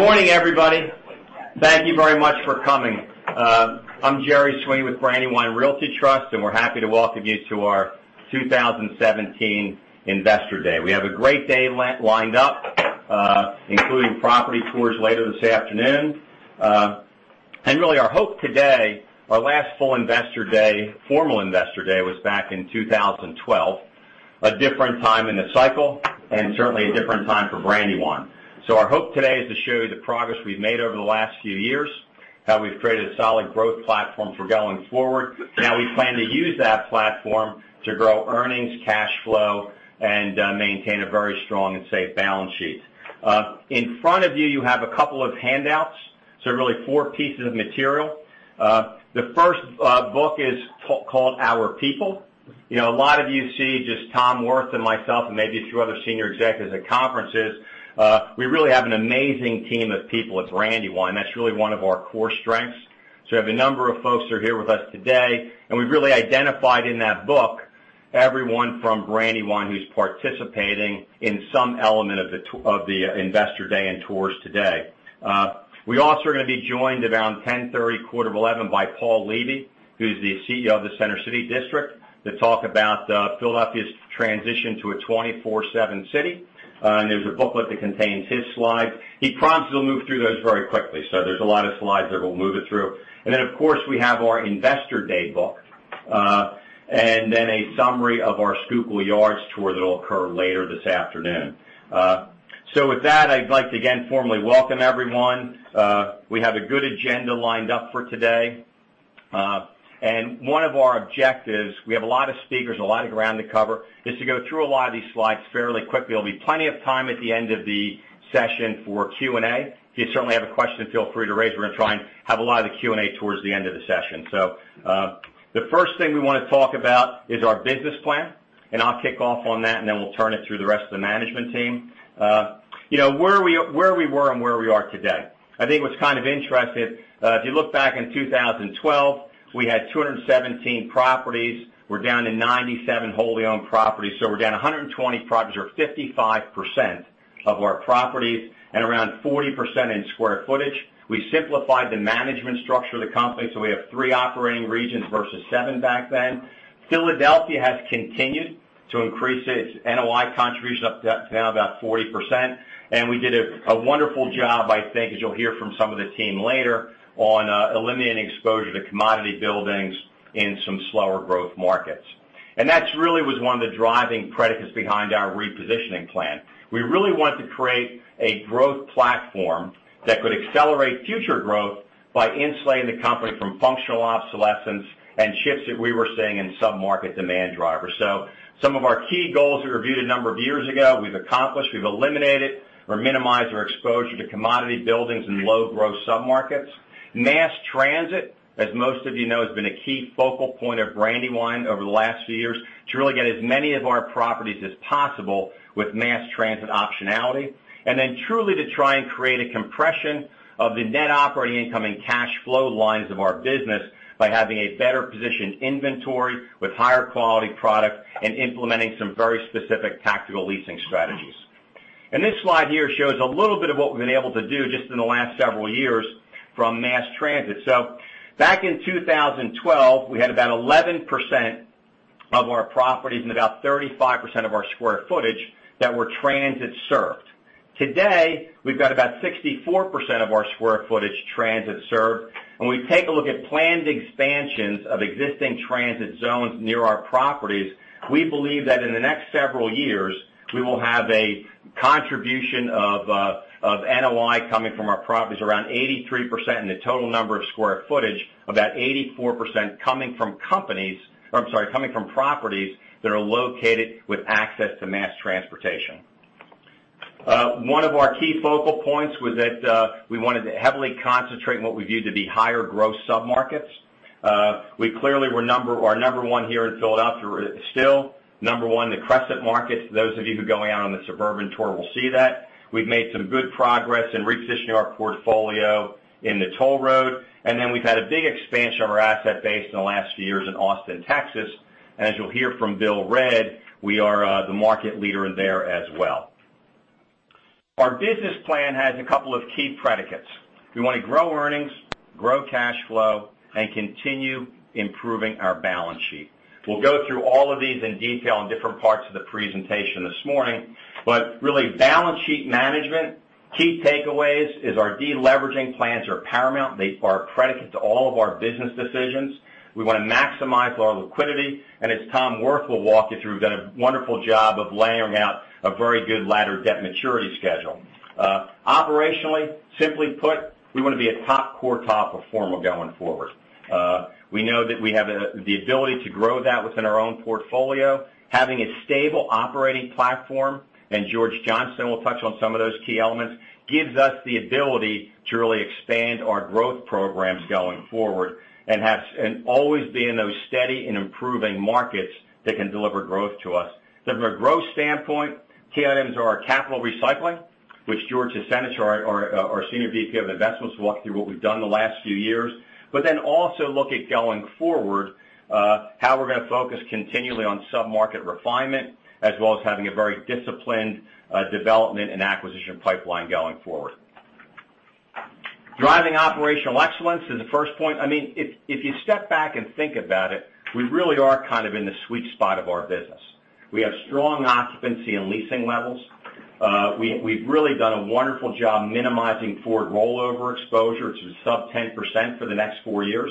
Good morning, everybody. Thank you very much for coming. I'm Jerry Sweeney with Brandywine Realty Trust, and we're happy to welcome you to our 2017 Investor Day. We have a great day lined up, including property tours later this afternoon. Really our hope today, our last full formal investor day was back in 2012, a different time in the cycle and certainly a different time for Brandywine. Our hope today is to show you the progress we've made over the last few years, how we've created a solid growth platform for going forward, and how we plan to use that platform to grow earnings, cash flow, and maintain a very strong and safe balance sheet. In front of you have a couple of handouts, really four pieces of material. The first book is called "Our People." A lot of you see just Tom Wirth and myself and maybe a few other senior executives at conferences. We really have an amazing team of people at Brandywine. That's really one of our core strengths. We have a number of folks who are here with us today, and we've really identified in that book everyone from Brandywine who's participating in some element of the investor day and tours today. We also are going to be joined around 10:30, quarter to 11 by Paul Levy, who's the CEO of the Center City District, to talk about Philadelphia's transition to a 24/7 city. There's a booklet that contains his slides. He promises he'll move through those very quickly. There's a lot of slides there. We'll move it through. Of course, we have our investor day book, and then a summary of our Schuylkill Yards tour that'll occur later this afternoon. With that, I'd like to again formally welcome everyone. We have a good agenda lined up for today. One of our objectives, we have a lot of speakers, a lot of ground to cover, is to go through a lot of these slides fairly quickly. There'll be plenty of time at the end of the session for Q&A. If you certainly have a question, feel free to raise it. We're going to try and have a lot of the Q&A towards the end of the session. The first thing we want to talk about is our business plan, and I'll kick off on that, and then we'll turn it through the rest of the management team. Where we were and where we are today. I think what's kind of interesting, if you look back in 2012, we had 217 properties. We're down to 97 wholly owned properties. We're down 120 properties, or 55% of our properties, and around 40% in square footage. We simplified the management structure of the company, we have three operating regions versus seven back then. Philadelphia has continued to increase its NOI contribution up to now about 40%, and we did a wonderful job, I think, as you'll hear from some of the team later, on eliminating exposure to commodity buildings in some slower growth markets. That really was one of the driving predicates behind our repositioning plan. We really wanted to create a growth platform that could accelerate future growth by insulating the company from functional obsolescence and shifts that we were seeing in sub-market demand drivers. Some of our key goals we reviewed a number of years ago, we've accomplished. We've eliminated or minimized our exposure to commodity buildings in low-growth sub-markets. Mass transit, as most of you know, has been a key focal point of Brandywine over the last few years to really get as many of our properties as possible with mass transit optionality. Truly to try and create a compression of the net operating income and cash flow lines of our business by having a better-positioned inventory with higher quality product and implementing some very specific tactical leasing strategies. This slide here shows a little bit of what we've been able to do just in the last several years from mass transit. Back in 2012, we had about 11% of our properties and about 35% of our square footage that were transit-served. Today, we've got about 64% of our square footage transit-served, and when we take a look at planned expansions of existing transit zones near our properties, we believe that in the next several years, we will have a contribution of NOI coming from our properties around 83%, and the total number of square footage, about 84% coming from properties that are located with access to mass transportation. One of our key focal points was that we wanted to heavily concentrate on what we viewed to be higher gross sub-markets. We clearly were our number one here in Philadelphia. We're still number one in the Crescent markets. Those of you who are going out on the suburban tour will see that. We've made some good progress in repositioning our portfolio in the Toll Road, and then we've had a big expansion of our asset base in the last few years in Austin, Texas. As you'll hear from Bill Redd, we are the market leader there as well. Our business plan has a couple of key predicates. We want to grow earnings, grow cash flow, and continue improving our balance sheet. We'll go through all of these in detail in different parts of the presentation this morning. Really, balance sheet management, key takeaways is our de-leveraging plans are paramount. They are a predicate to all of our business decisions. We want to maximize our liquidity, and as Tom Wirth will walk you through, we've done a wonderful job of layering out a very good laddered debt maturity schedule. Operationally, simply put, we want to be a top quartile performer going forward. We know that we have the ability to grow that within our own portfolio. Having a stable operating platform, and George Johnstone will touch on some of those key elements, gives us the ability to really expand our growth programs going forward and always be in those steady and improving markets that can deliver growth to us. From a growth standpoint, key items are our capital recycling, which George S. Hasenecz, our Senior VP of Investments, will walk through what we've done the last few years. Also look at going forward, how we're going to focus continually on sub-market refinement, as well as having a very disciplined development and acquisition pipeline going forward. Driving operational excellence is the first point. If you step back and think about it, we really are kind of in the sweet spot of our business. We have strong occupancy and leasing levels. We've really done a wonderful job minimizing forward rollover exposure to sub 10% for the next 4 years.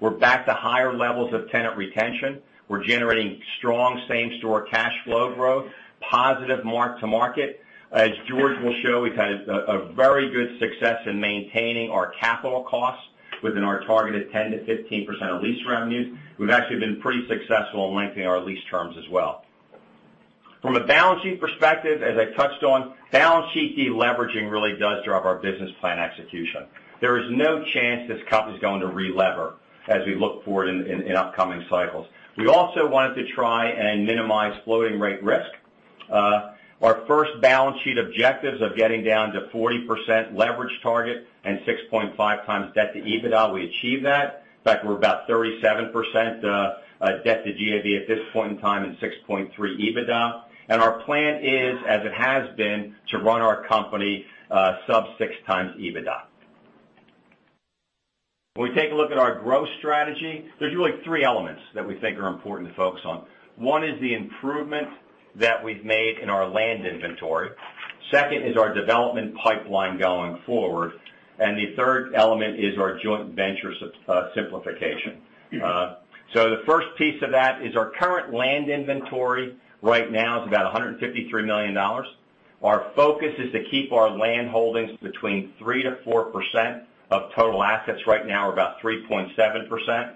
We're back to higher levels of tenant retention. We're generating strong same-store cash flow growth, positive mark-to-market. As George will show, we've had a very good success in maintaining our capital costs within our targeted 10%-15% of lease revenues. We've actually been pretty successful in lengthening our lease terms as well. From a balance sheet perspective, as I touched on, balance sheet de-leveraging really does drive our business plan execution. There is no chance this company's going to re-lever, as we look forward in upcoming cycles. We also wanted to try and minimize floating rate risk. Our first balance sheet objectives of getting down to 40% leverage target and 6.5 times debt to EBITDA, we achieved that. In fact, we're about 37% debt to GAV at this point in time and 6.3x EBITDA. Our plan is, as it has been, to run our company sub 6 times EBITDA. When we take a look at our growth strategy, there's really three elements that we think are important to focus on. One is the improvement that we've made in our land inventory. Second is our development pipeline going forward. The third element is our joint venture simplification. The first piece of that is our current land inventory right now is about $153 million. Our focus is to keep our land holdings between 3%-4% of total assets. Right now, we're about 3.7%.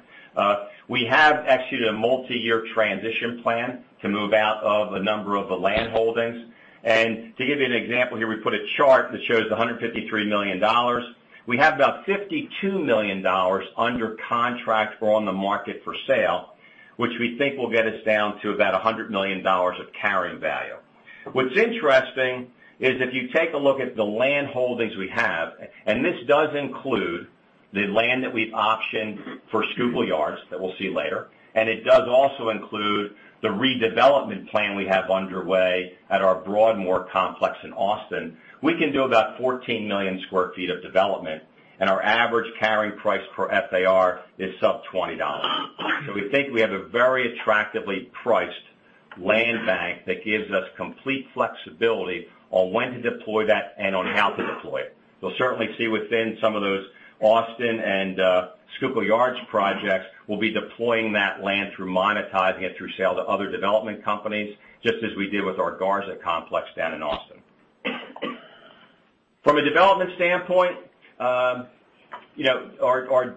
We have executed a multi-year transition plan to move out of a number of the land holdings. To give you an example here, we put a chart that shows the $153 million. We have about $52 million under contract or on the market for sale, which we think will get us down to about $100 million of carrying value. What's interesting is if you take a look at the land holdings we have, this does include the land that we've optioned for Schuylkill Yards, that we'll see later, and it does also include the redevelopment plan we have underway at our Broadmoor complex in Austin. We can do about 14 million sq ft of development, and our average carrying price per FAR is sub $20. We think we have a very attractively priced land bank that gives us complete flexibility on when to deploy that and on how to deploy it. You'll certainly see within some of those Austin and Schuylkill Yards projects, we'll be deploying that land through monetizing it through sale to other development companies, just as we did with our Garza complex down in Austin. From a development standpoint, our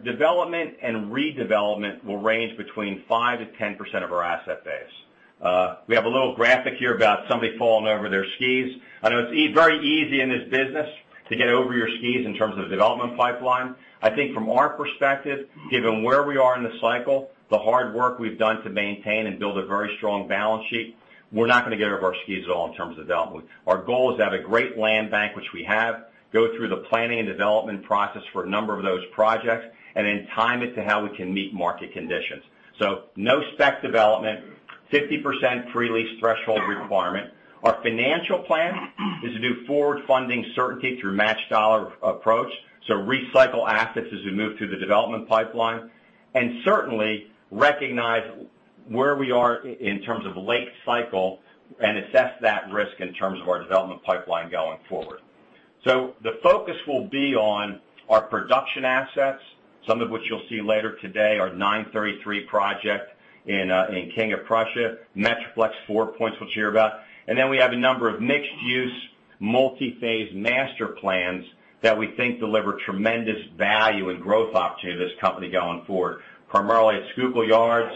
development and redevelopment will range between 5%-10% of our asset base. We have a little graphic here about somebody falling over their skis. I know it's very easy in this business to get over your skis in terms of development pipeline. I think from our perspective, given where we are in the cycle, the hard work we've done to maintain and build a very strong balance sheet, we're not going to get over our skis at all in terms of development. Our goal is to have a great land bank, which we have, go through the planning and development process for a number of those projects, then time it to how we can meet market conditions. No spec development, 50% pre-lease threshold requirement. Our financial plan is to do forward-funding certainty through matched dollar approach. Recycle assets as we move through the development pipeline, and certainly recognize where we are in terms of late cycle and assess that risk in terms of our development pipeline going forward. The focus will be on our production assets, some of which you'll see later today, our 933 project in King of Prussia, Metroplex, Four Points, we'll hear about. Then we have a number of mixed-use, multi-phase master plans that we think deliver tremendous value and growth opportunity to this company going forward, primarily at Schuylkill Yards,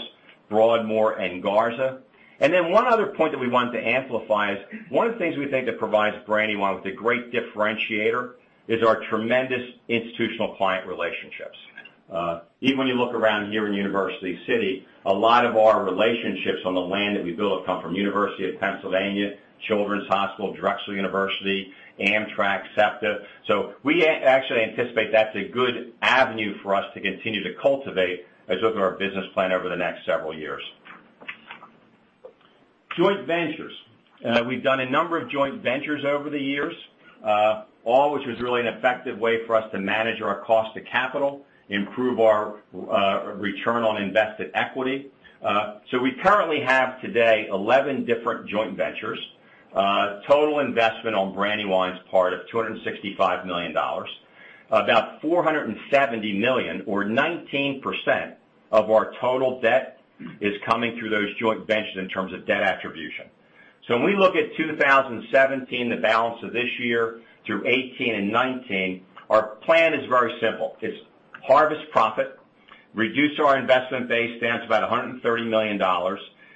Broadmoor, and Garza. One other point that we wanted to amplify is, one of the things we think that provides Brandywine with a great differentiator is our tremendous institutional client relationships. Even when you look around here in University City, a lot of our relationships on the land that we build have come from University of Pennsylvania, Children's Hospital, Drexel University, Amtrak, SEPTA. We actually anticipate that's a good avenue for us to continue to cultivate as we look at our business plan over the next several years. Joint ventures. We've done a number of joint ventures over the years, all which was really an effective way for us to manage our cost to capital, improve our return on invested equity. We currently have today 11 different joint ventures. Total investment on Brandywine's part of $265 million. About $470 million or 19% of our total debt is coming through those joint ventures in terms of debt attribution. When we look at 2017, the balance of this year through 2018 and 2019, our plan is very simple. It's harvest profit, reduce our investment base down to about $130 million,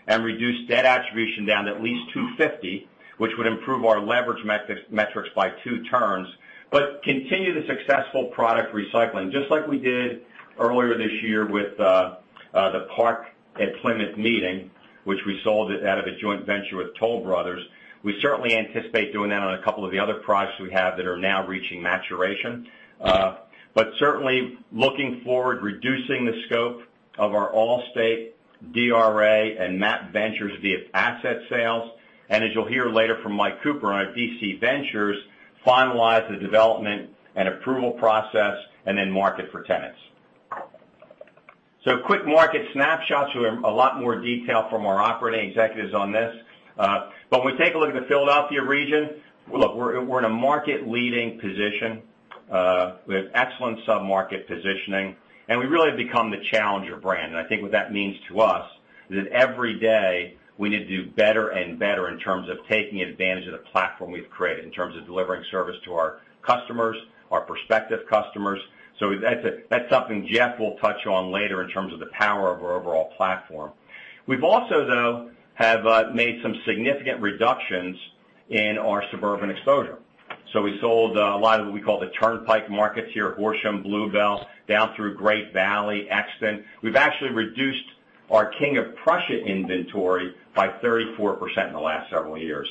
and reduce debt attribution down to at least $250, which would improve our leverage metrics by two turns. Continue the successful product recycling, just like we did earlier this year with The Park at Plymouth Meeting, which we sold out of a joint venture with Toll Brothers. We certainly anticipate doing that on a couple of the other projects we have that are now reaching maturation. But certainly, looking forward, reducing the scope of our Allstate DRA and MAP ventures via asset sales. As you'll hear later from Mike Cooper on our D.C. ventures, finalize the development and approval process, then market for tenants. Quick market snapshot. You'll hear a lot more detail from our operating executives on this. When we take a look at the Philadelphia region, look, we're in a market-leading position. We have excellent sub-market positioning, and we really have become the challenger brand. I think what that means to us is that every day we need to do better and better in terms of taking advantage of the platform we've created, in terms of delivering service to our customers, our prospective customers. That's something Jeff will touch on later in terms of the power of our overall platform. We've also, though, have made some significant reductions in our suburban exposure. We sold a lot of what we call the Turnpike markets here, Horsham, Blue Bell, down through Great Valley, Exton. We've actually reduced our King of Prussia inventory by 34% in the last several years.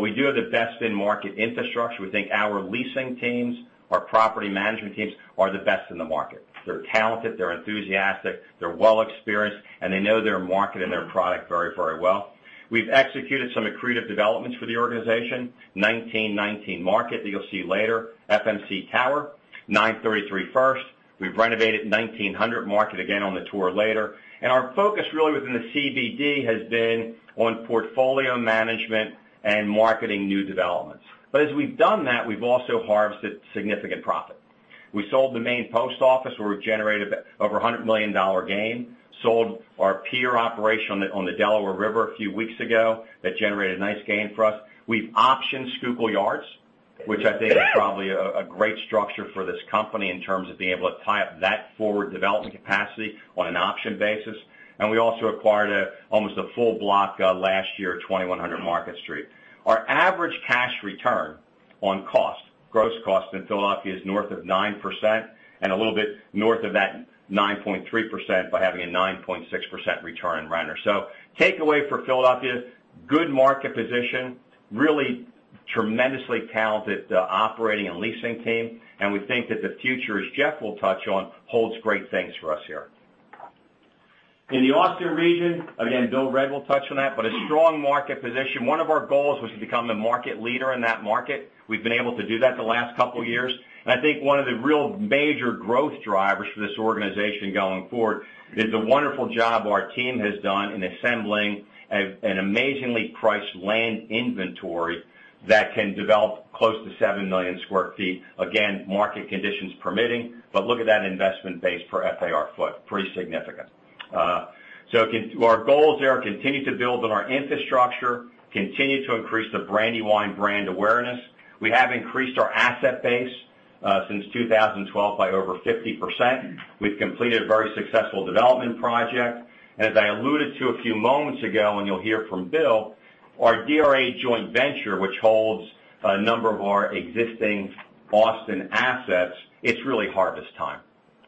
We do have the best in-market infrastructure. We think our leasing teams, our property management teams are the best in the market. They're talented, they're enthusiastic, they're well experienced, and they know their market and their product very, very well. We've executed some accretive developments for the organization. 1919 Market that you'll see later, FMC Tower, 933 First. We've renovated 1900 Market, again, on the tour later. Our focus really within the CBD has been on portfolio management and marketing new developments. As we've done that, we've also harvested significant profit. We sold the main post office, where we've generated over $100 million gain. Sold our pier operation on the Delaware River a few weeks ago. That generated a nice gain for us. We've optioned Schuylkill Yards, which I think is probably a great structure for this company in terms of being able to tie up that forward development capacity on an option basis. We also acquired almost a full block last year at 2100 Market Street. Our average cash return on cost, gross cost in Philadelphia is north of 9% and a little bit north of that 9.3% by having a 9.6% return in Radnor. Takeaway for Philadelphia, good market position, really tremendously talented operating and leasing team, and we think that the future, as Jeff will touch on, holds great things for us here. In the Austin region, again, Bill Redd will touch on that, but a strong market position. One of our goals was to become the market leader in that market. We've been able to do that the last couple of years. I think one of the real major growth drivers for this organization going forward is the wonderful job our team has done in assembling an amazingly priced land inventory that can develop close to 7 million sq ft. Again, market conditions permitting, but look at that investment base per FAR foot. Pretty significant. Our goals there are continue to build on our infrastructure, continue to increase the Brandywine brand awareness. We have increased our asset base since 2012 by over 50%. We've completed a very successful development project. As I alluded to a few moments ago, and you'll hear from Bill, our DRA joint venture, which holds a number of our existing Austin assets, it's really harvest time.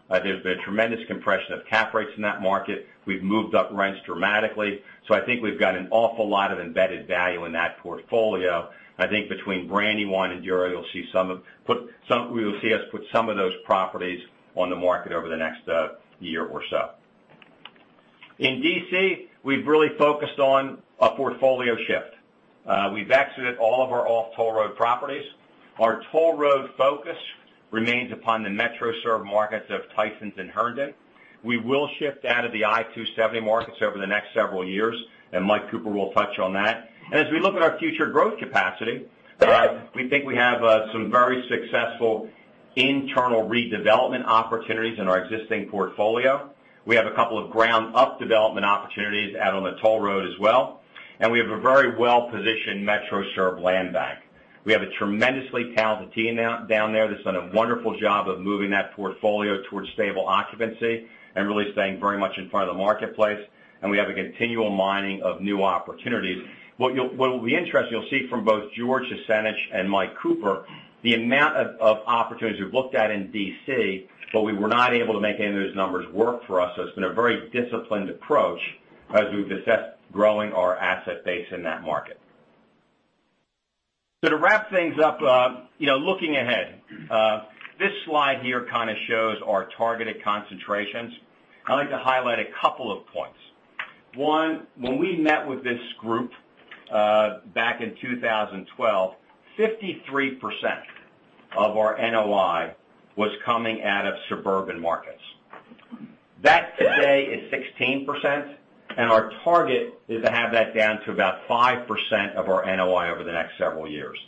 There's been tremendous compression of cap rates in that market. We've moved up rents dramatically. I think we've got an awful lot of embedded value in that portfolio. I think between Brandywine and DRA, you'll see us put some of those properties on the market over the next year or so. In D.C., we've really focused on a portfolio shift. We've exited all of our off-toll road properties. Our toll road focus remains upon the Metro-served markets of Tysons and Herndon. We will shift out of the I-270 markets over the next several years, and Mike Cooper will touch on that. As we look at our future growth capacity, we think we have some very successful internal redevelopment opportunities in our existing portfolio. We have a couple of ground-up development opportunities out on the toll road as well, and we have a very well-positioned Metro-served land bank. We have a tremendously talented team down there that's done a wonderful job of moving that portfolio towards stable occupancy and really staying very much in front of the marketplace, we have a continual mining of new opportunities. What will be interesting, you'll see from both George S. Hasenecz and Mike Cooper the amount of opportunities we've looked at in D.C., we were not able to make any of those numbers work for us. It's been a very disciplined approach as we've assessed growing our asset base in that market. To wrap things up, looking ahead. This slide here kind of shows our targeted concentrations. I'd like to highlight a couple of points. One, when we met with this group back in 2012, 53% of our NOI was coming out of suburban markets. That today is 16%, our target is to have that down to about 5% of our NOI over the next several years.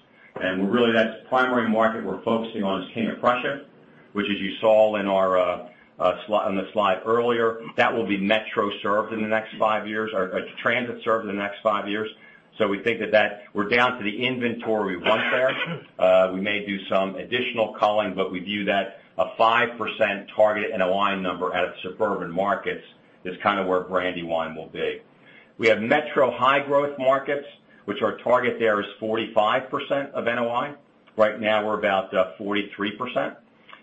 Really that primary market we're focusing on is King of Prussia, which as you saw on the slide earlier, that will be Metro-served in the next five years, or transit-served in the next five years. We think that we're down to the inventory we want there. We may do some additional culling, but we view that a 5% target NOI number out of suburban markets is kind of where Brandywine will be. We have Metro high-growth markets, which our target there is 45% of NOI. Right now, we're about 43%.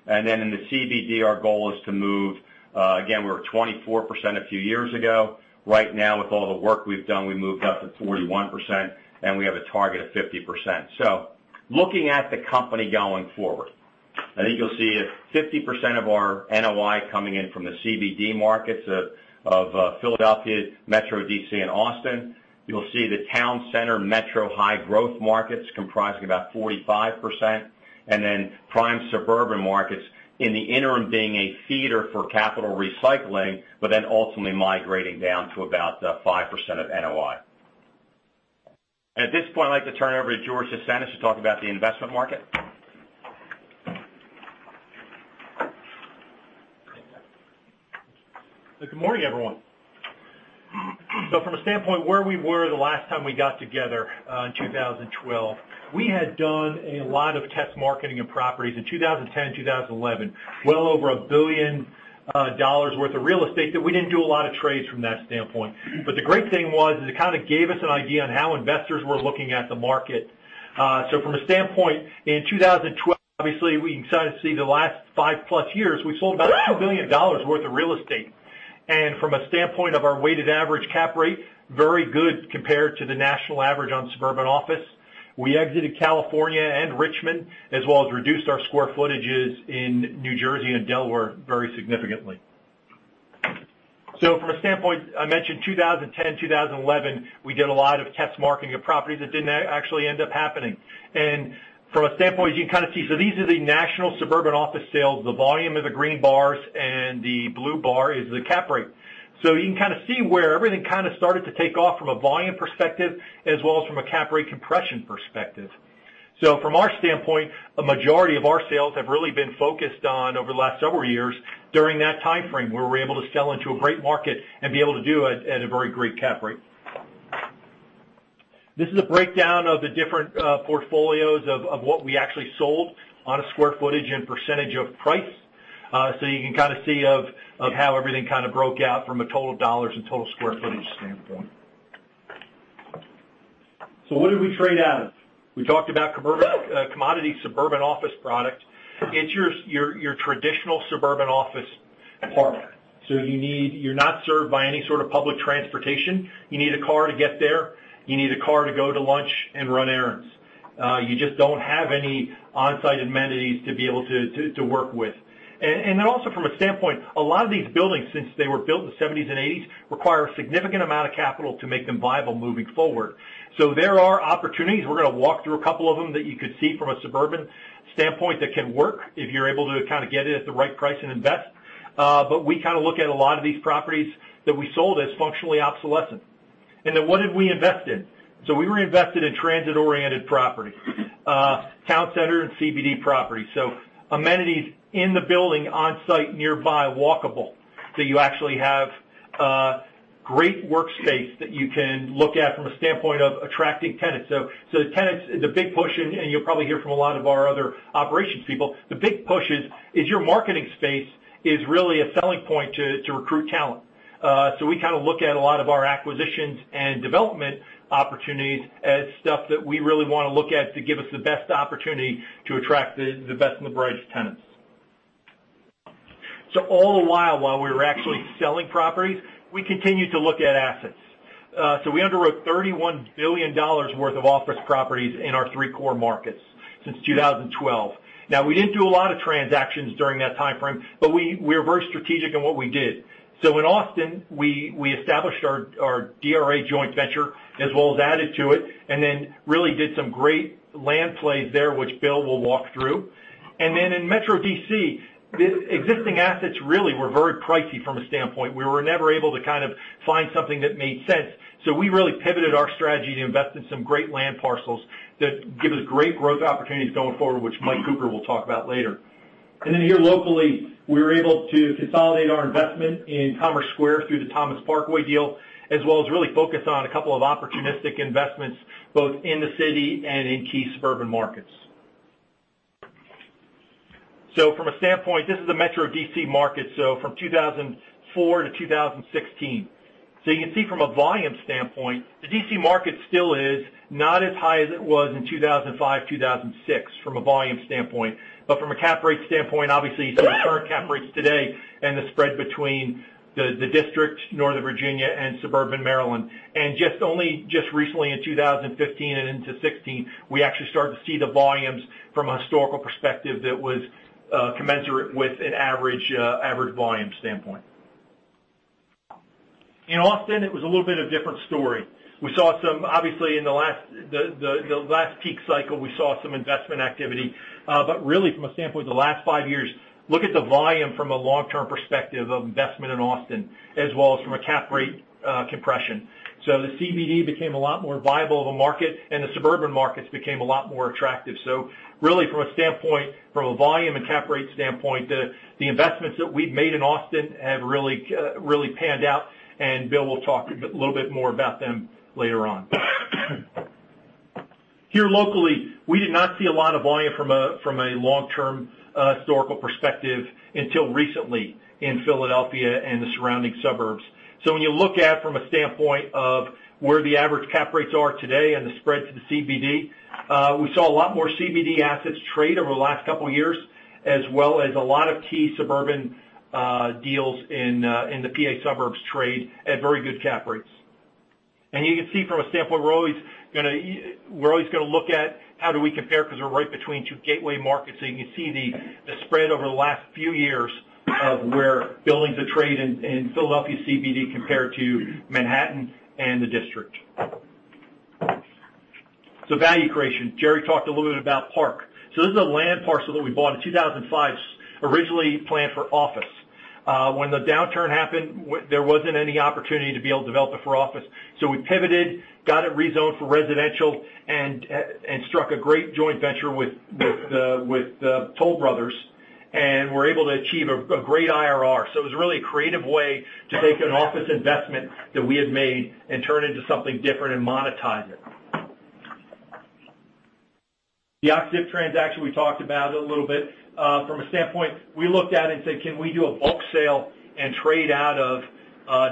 Then in the CBD, our goal is to move Again, we were 24% a few years ago. Right now, with all the work we've done, we moved up to 41%, we have a target of 50%. Looking at the company going forward. I think you'll see it, 50% of our NOI coming in from the CBD markets of Philadelphia, Metro D.C., and Austin. You'll see the town center metro high-growth markets comprising about 45%, then prime suburban markets in the interim being a feeder for capital recycling, ultimately migrating down to about 5% of NOI. At this point, I'd like to turn it over to George S. Hasenecz to talk about the investment market. Good morning, everyone. From a standpoint where we were the last time we got together, in 2012, we had done a lot of test marketing of properties. In 2010 and 2011, well over $1 billion worth of real estate that we didn't do a lot of trades from that standpoint. The great thing was that it kind of gave us an idea on how investors were looking at the market. From a standpoint, in 2012, obviously we can kind of see the last five-plus years, we've sold about $2 billion worth of real estate. From a standpoint of our weighted average cap rate, very good compared to the national average on suburban office. We exited California and Richmond, as well as reduced our square footages in New Jersey and Delaware very significantly. From a standpoint, I mentioned 2010, 2011, we did a lot of test marketing of properties that didn't actually end up happening. From a standpoint, as you can kind of see, these are the national suburban office sales, the volume are the green bars, and the blue bar is the cap rate. You can kind of see where everything kind of started to take off from a volume perspective, as well as from a cap rate compression perspective. From our standpoint, a majority of our sales have really been focused on, over the last several years, during that time frame, where we were able to sell into a great market and be able to do it at a very great cap rate. This is a breakdown of the different portfolios of what we actually sold on a square footage and percentage of price. You can kind of see how everything kind of broke out from a total dollars and total square footage standpoint. What did we trade out of? We talked about commodity suburban office product. It's your traditional suburban office park. You're not served by any sort of public transportation. You need a car to get there. You need a car to go to lunch and run errands. You just don't have any on-site amenities to be able to work with. Also from a standpoint, a lot of these buildings, since they were built in the '70s and '80s, require a significant amount of capital to make them viable moving forward. There are opportunities. We're going to walk through a couple of them that you could see from a suburban standpoint that can work if you're able to kind of get it at the right price and invest. We kind of look at a lot of these properties that we sold as functionally obsolescent. What have we invested? We reinvested in transit-oriented property, town center, and CBD property. Amenities in the building on-site, nearby, walkable. You actually have a great workspace that you can look at from a standpoint of attracting tenants. The tenants, the big push, and you'll probably hear from a lot of our other operations people, the big push is your marketing space is really a selling point to recruit talent. We kind of look at a lot of our acquisitions and development opportunities as stuff that we really want to look at to give us the best opportunity to attract the best and the brightest tenants. All the while we were actually selling properties, we continued to look at assets. We underwrote $31 billion worth of office properties in our three core markets since 2012. We didn't do a lot of transactions during that time frame, but we were very strategic in what we did. In Austin, we established our DRA joint venture as well as added to it, and then really did some great land plays there, which Bill will walk through. In Metro D.C., existing assets really were very pricey from a standpoint. We were never able to kind of find something that made sense. We really pivoted our strategy to invest in some great land parcels that give us great growth opportunities going forward, which Mike Cooper will talk about later. Here locally, we were able to consolidate our investment in Commerce Square through the Thomas Parkway deal, as well as really focus on a couple of opportunistic investments, both in the city and in key suburban markets. From a standpoint, this is the Metro D.C. market, from 2004-2016. You can see from a volume standpoint, the D.C. market still is not as high as it was in 2005, 2006 from a volume standpoint. From a cap rate standpoint, obviously, some of the current cap rates today and the spread between the district, Northern Virginia and Suburban Maryland. Just recently in 2015 and into 2016, we actually started to see the volumes from a historical perspective that was commensurate with an average volume standpoint. In Austin, it was a little bit of a different story. Obviously, in the last peak cycle, we saw some investment activity. Really from a standpoint of the last five years, look at the volume from a long-term perspective of investment in Austin, as well as from a cap rate compression. The CBD became a lot more viable of a market and the suburban markets became a lot more attractive. Really from a volume and cap rate standpoint, the investments that we've made in Austin have really panned out, and Bill will talk a little bit more about them later on. Here locally, we did not see a lot of volume from a long-term historical perspective until recently in Philadelphia and the surrounding suburbs. When you look at it from a standpoint of where the average cap rates are today and the spread to the CBD, we saw a lot more CBD assets trade over the last couple of years, as well as a lot of key suburban deals in the PA suburbs trade at very good cap rates. You can see from a standpoint, we're always going to look at how do we compare, because we're right between two gateway markets. You can see the spread over the last few years of where buildings are trading in Philadelphia CBD compared to Manhattan and the District. Value creation. Jerry talked a little bit about Park. This is a land parcel that we bought in 2005, originally planned for office. When the downturn happened, there wasn't any opportunity to be able to develop it for office. We pivoted, got it rezoned for residential, and struck a great joint venture with Toll Brothers, and were able to achieve a great IRR. It was really a creative way to take an office investment that we had made and turn into something different and monetize it. The Och-Ziff transaction, we talked about it a little bit. From a standpoint, we looked at it and said, "Can we do a bulk sale and trade out of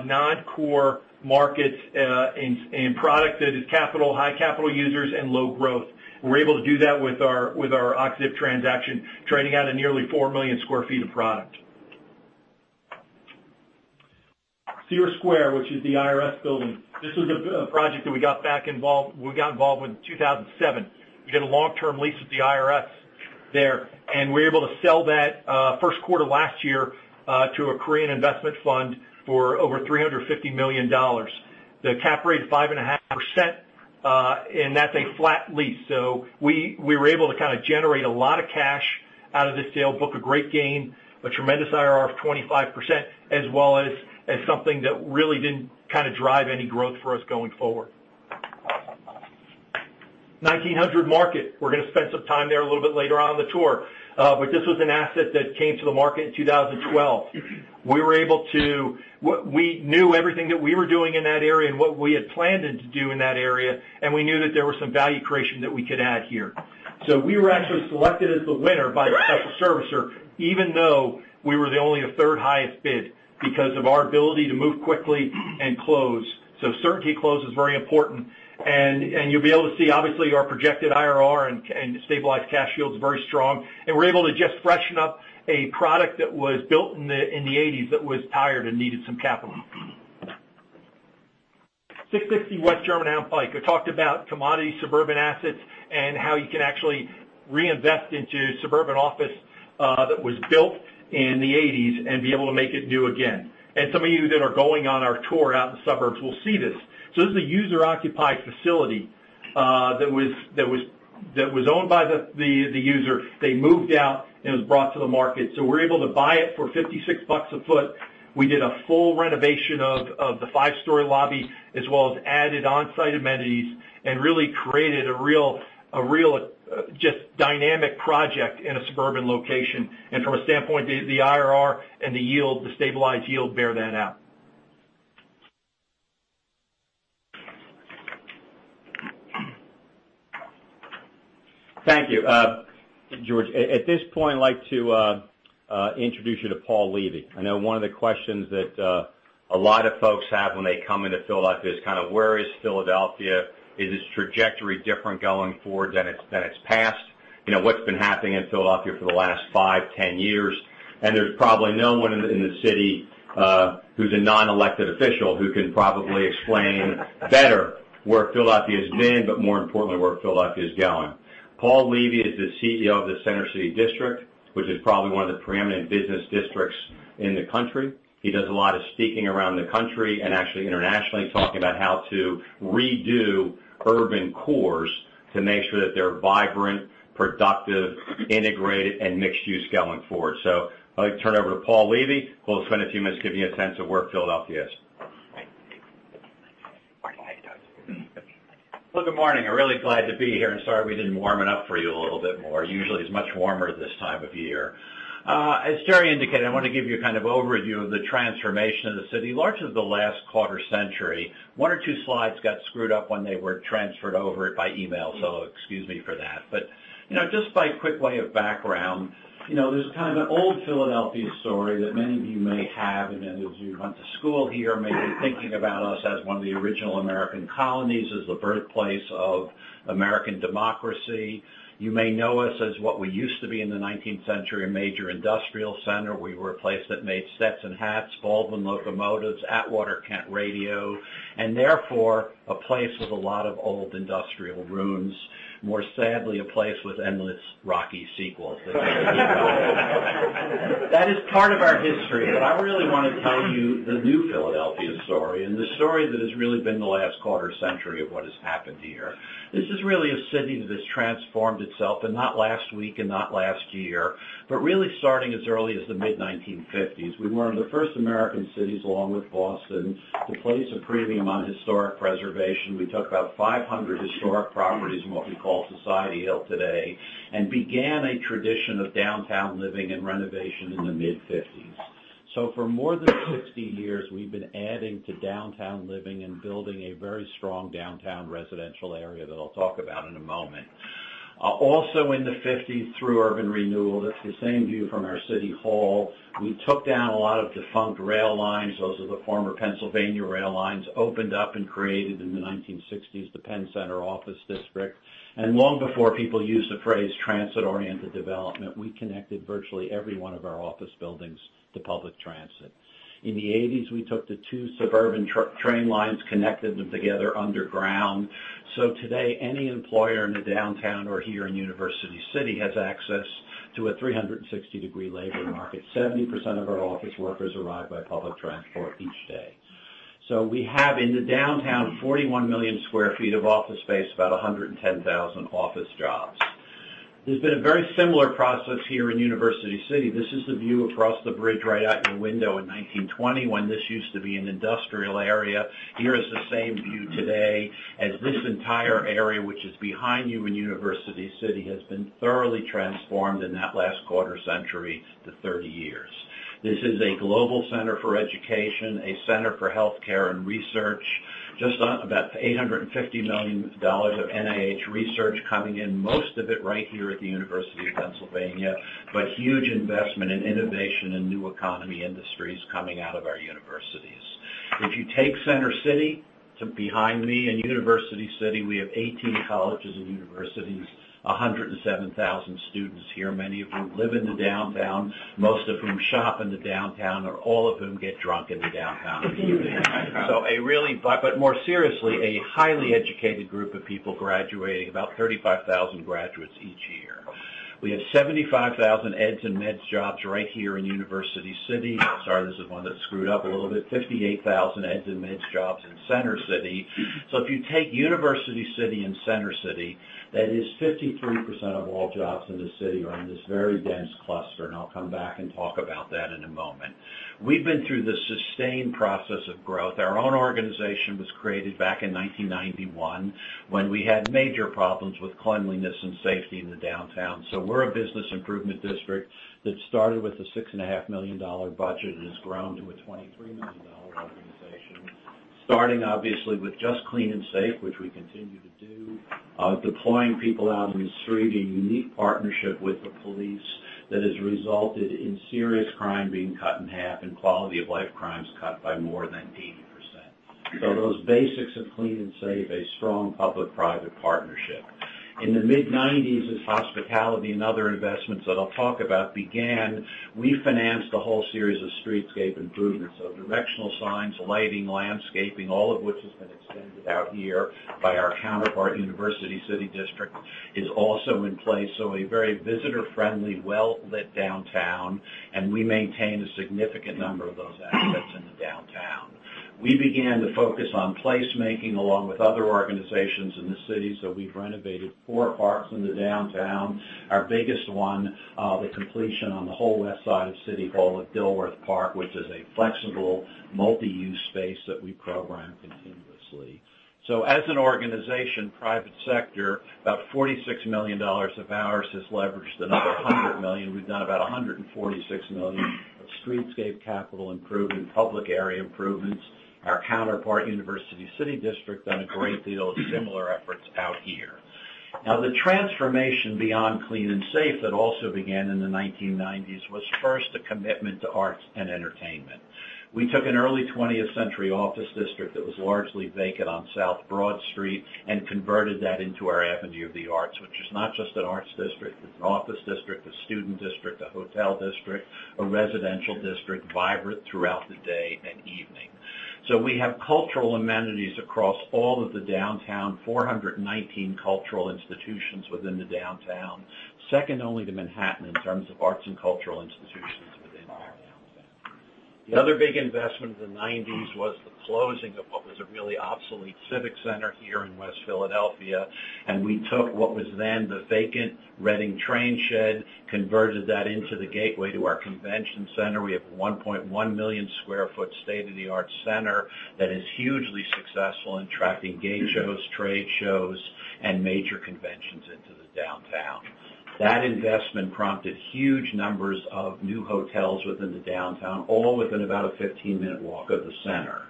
non-core markets and product that is high capital users and low growth?" We were able to do that with our Och-Ziff transaction, trading out of nearly 4 million sq ft of product. Cira Square, which is the IRS building. This was a project that we got involved with in 2007. We did a long-term lease with the IRS there, and we were able to sell that first quarter of last year to a Korean investment fund for over $350 million. The cap rate is 5.5%, and that's a flat lease. We were able to kind of generate a lot of cash out of this deal, book a great gain, a tremendous IRR of 25%, as well as something that really didn't kind of drive any growth for us going forward. 1900 Market. We're going to spend some time there a little bit later on in the tour. This was an asset that came to the market in 2012. We knew everything that we were doing in that area and what we had planned to do in that area, we knew that there was some value creation that we could add here. We were actually selected as the winner by the special servicer, even though we were only the third highest bid, because of our ability to move quickly and close. Certainty to close is very important. You'll be able to see, obviously, our projected IRR and stabilized cash yield is very strong. We were able to just freshen up a product that was built in the '80s that was tired and needed some capital. 660 West Germantown Pike. I talked about commodity suburban assets and how you can actually reinvest into suburban office that was built in the '80s and be able to make it new again. Some of you that are going on our tour out in the suburbs will see this. This is a user-occupied facility that was owned by the user. They moved out, it was brought to the market. We were able to buy it for 56 bucks a foot. We did a full renovation of the five-story lobby, as well as added on-site amenities and really created a real dynamic project in a suburban location. From a standpoint, the IRR and the yield, the stabilized yield, bear that out. Thank you, George. At this point, I'd like to introduce you to Paul Levy. I know one of the questions that a lot of folks have when they come into Philadelphia is kind of where is Philadelphia? Is its trajectory different going forward than its past? What's been happening in Philadelphia for the last five, 10 years? There's probably no one in the city who's a non-elected official who can probably explain better where Philadelphia's been, but more importantly, where Philadelphia is going. Paul Levy is the CEO of the Center City District, which is probably one of the preeminent business districts in the country. He does a lot of speaking around the country, and actually internationally, talking about how to redo urban cores to make sure that they're vibrant, productive, integrated, and mixed use going forward. I'd like to turn it over to Paul Levy, who will spend a few minutes giving you a sense of where Philadelphia is. Well, good morning. I'm really glad to be here, and sorry we didn't warm it up for you a little bit more. Usually, it's much warmer this time of year. As Jerry indicated, I want to give you a kind of overview of the transformation of the city, largely over the last quarter century. One or two slides got screwed up when they were transferred over by email, so excuse me for that. Just by quick way of background, there's kind of an old Philadelphia story that many of you may have, and as you went to school here, may be thinking about us as one of the original American colonies, as the birthplace of American democracy. You may know us as what we used to be in the 19th century, a major industrial center. We were a place that made Stetson hats, Baldwin Locomotives, Atwater Kent Radio, and therefore, a place with a lot of old industrial ruins. More sadly, a place with endless "Rocky" sequels that keep going. That is part of our history, but I really want to tell you the new Philadelphia story, and the story that has really been the last quarter century of what has happened here. This is really a city that has transformed itself, and not last week and not last year, but really starting as early as the mid-1950s. We were one of the first American cities, along with Boston, to place a premium on historic preservation. We took about 500 historic properties in what we call Society Hill today and began a tradition of downtown living and renovation in the mid-'50s. For more than 60 years, we've been adding to downtown living and building a very strong downtown residential area that I'll talk about in a moment. Also in the '50s, through urban renewal, that's the same view from our City Hall. We took down a lot of defunct rail lines. Those are the former Pennsylvania rail lines, opened up and created in the 1960s, the Penn Center Office District. Long before people used the phrase transit-oriented development, we connected virtually every one of our office buildings to public transit. In the '80s, we took the two suburban train lines, connected them together underground. Today, any employer in the downtown or here in University City has access to a 360-degree labor market. 70% of our office workers arrive by public transport each day. We have, in the downtown, 41 million sq ft of office space, about 110,000 office jobs. There's been a very similar process here in University City. This is the view across the bridge right out your window in 1920, when this used to be an industrial area. Here is the same view today, as this entire area, which is behind you in University City, has been thoroughly transformed in that last quarter century to 30 years. This is a global center for education, a center for healthcare and research. Just about $850 million of NIH research coming in, most of it right here at the University of Pennsylvania, but huge investment in innovation and new economy industries coming out of our universities. If you take Center City to behind me in University City, we have 18 colleges and universities, 107,000 students here, many of whom live in the downtown, most of whom shop in the downtown, or all of whom get drunk in the downtown. More seriously, a highly educated group of people graduating, about 35,000 graduates each year. We have 75,000 eds and meds jobs right here in University City. Sorry, this is one that's screwed up a little bit. 58,000 eds and meds jobs in Center City. If you take University City and Center City, that is 53% of all jobs in the city are in this very dense cluster, and I'll come back and talk about that in a moment. We've been through the sustained process of growth. Our own organization was created back in 1991, when we had major problems with cleanliness and safety in the downtown. We're a business improvement district that started with a $6.5 million budget and has grown to a $23 million organization. Starting, obviously, with just clean and safe, which we continue to do, deploying people out in the street, a unique partnership with the police that has resulted in serious crime being cut in half and quality-of-life crimes cut by more than 80%. Those basics of clean and safe, a strong public-private partnership. In the mid-1990s, as hospitality and other investments that I'll talk about began, we financed a whole series of streetscape improvements. Directional signs, lighting, landscaping, all of which has been extended out here by our counterpart University City District, is also in place. A very visitor-friendly, well-lit downtown, and we maintain a significant number of those assets in the downtown. We began to focus on place-making along with other organizations in the city, we've renovated four parks in the downtown. Our biggest one, the completion on the whole west side of City Hall with Dilworth Park, which is a flexible multi-use space that we program continuously. As an organization, private sector, about $46 million of ours has leveraged another $100 million. We've done about $146 million of streetscape capital improvement, public area improvements. Our counterpart University City District done a great deal of similar efforts out here. Now, the transformation beyond clean and safe that also began in the 1990s was first a commitment to arts and entertainment. We took an early 20th century office district that was largely vacant on South Broad Street and converted that into our Avenue of the Arts, which is not just an arts district. It's an office district, a student district, a hotel district, a residential district, vibrant throughout the day and evening. We have cultural amenities across all of the downtown, 419 cultural institutions within the downtown, second only to Manhattan in terms of arts and cultural institutions within our downtown. The other big investment in the 1990s was the closing of what was a really obsolete civic center here in West Philadelphia, and we took what was then the vacant Reading Train Shed, converted that into the gateway to our convention center. We have a 1.1 million square foot state-of-the-art center that is hugely successful in attracting game shows, trade shows, and major conventions into the downtown. That investment prompted huge numbers of new hotels within the downtown, all within about a 15-minute walk of the center.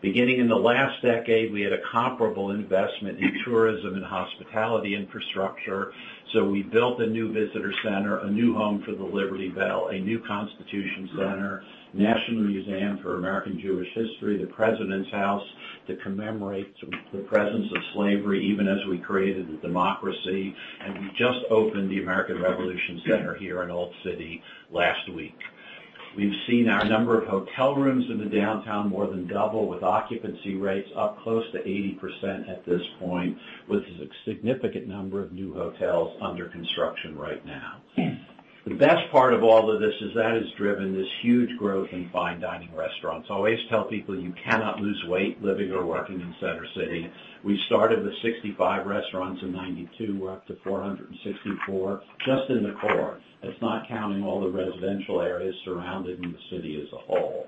Beginning in the last decade, we had a comparable investment in tourism and hospitality infrastructure. We built a new visitor center, a new home for the Liberty Bell, a new Constitution Center, National Museum of American Jewish History, the President's House that commemorates the presence of slavery even as we created the democracy, and we just opened the American Revolution Center here in Old City last week. We've seen our number of hotel rooms in the downtown more than double, with occupancy rates up close to 80% at this point, with a significant number of new hotels under construction right now. The best part of all of this is that has driven this huge growth in fine dining restaurants. I always tell people you cannot lose weight living or working in Center City. We started with 65 restaurants in 1992. We're up to 464 just in the core. That's not counting all the residential areas surrounding the city as a whole.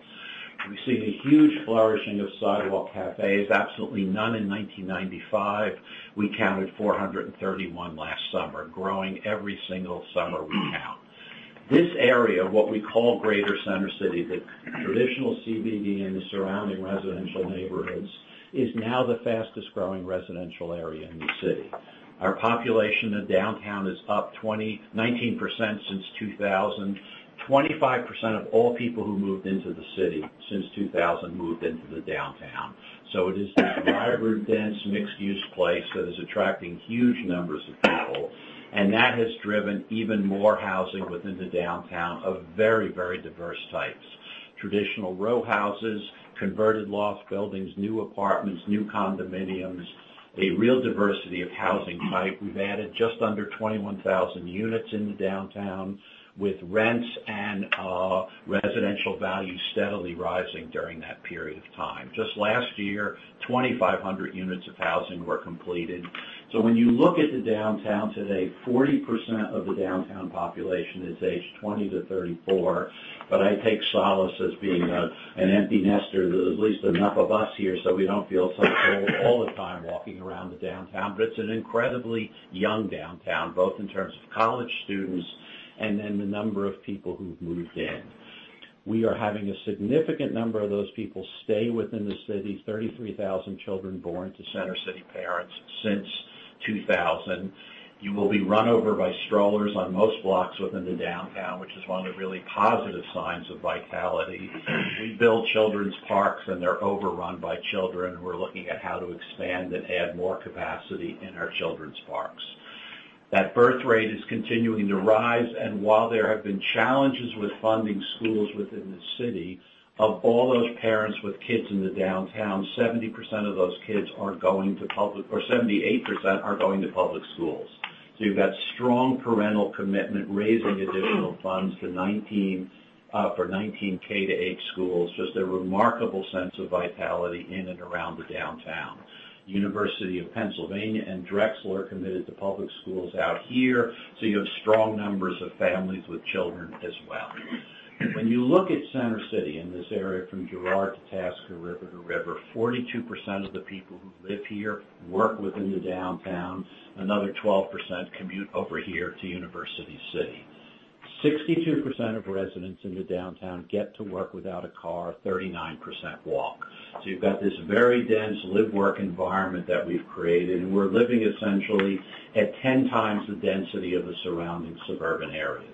We've seen a huge flourishing of sidewalk cafes. Absolutely none in 1995. We counted 431 last summer, growing every single summer we count. This area, what we call Greater Center City, the traditional CBD and the surrounding residential neighborhoods, is now the fastest growing residential area in the city. Our population of downtown is up 19% since 2000. 25% of all people who moved into the city since 2000 moved into the downtown. It is this vibrant, dense, mixed-use place that is attracting huge numbers of people, and that has driven even more housing within the downtown of very diverse types. Traditional row houses, converted loft buildings, new apartments, new condominiums, a real diversity of housing type. We've added just under 21,000 units in the downtown, with rents and residential values steadily rising during that period of time. Just last year, 2,500 units of housing were completed. When you look at the downtown today, 40% of the downtown population is aged 20 to 34. I take solace as being an empty nester. There's at least enough of us here, so we don't feel so old all the time walking around the downtown. It's an incredibly young downtown, both in terms of college students and in the number of people who've moved in. We are having a significant number of those people stay within the city. 33,000 children born to Center City parents since 2000. You will be run over by strollers on most blocks within the downtown, which is one of the really positive signs of vitality. We build children's parks, and they're overrun by children. We're looking at how to expand and add more capacity in our children's parks. That birth rate is continuing to rise. While there have been challenges with funding schools within the city, of all those parents with kids in the downtown, 70% of those kids are going to public, or 78% are going to public schools. You've got strong parental commitment, raising additional funds for 19 K to 8 schools. Just a remarkable sense of vitality in and around the downtown. University of Pennsylvania and Drexel are committed to public schools out here, you have strong numbers of families with children as well. When you look at Center City in this area from Girard to Tasker River to River, 42% of the people who live here work within the downtown. Another 12% commute over here to University City. 62% of residents in the downtown get to work without a car. 39% walk. You've got this very dense live/work environment that we've created, and we're living essentially at 10 times the density of the surrounding suburban areas.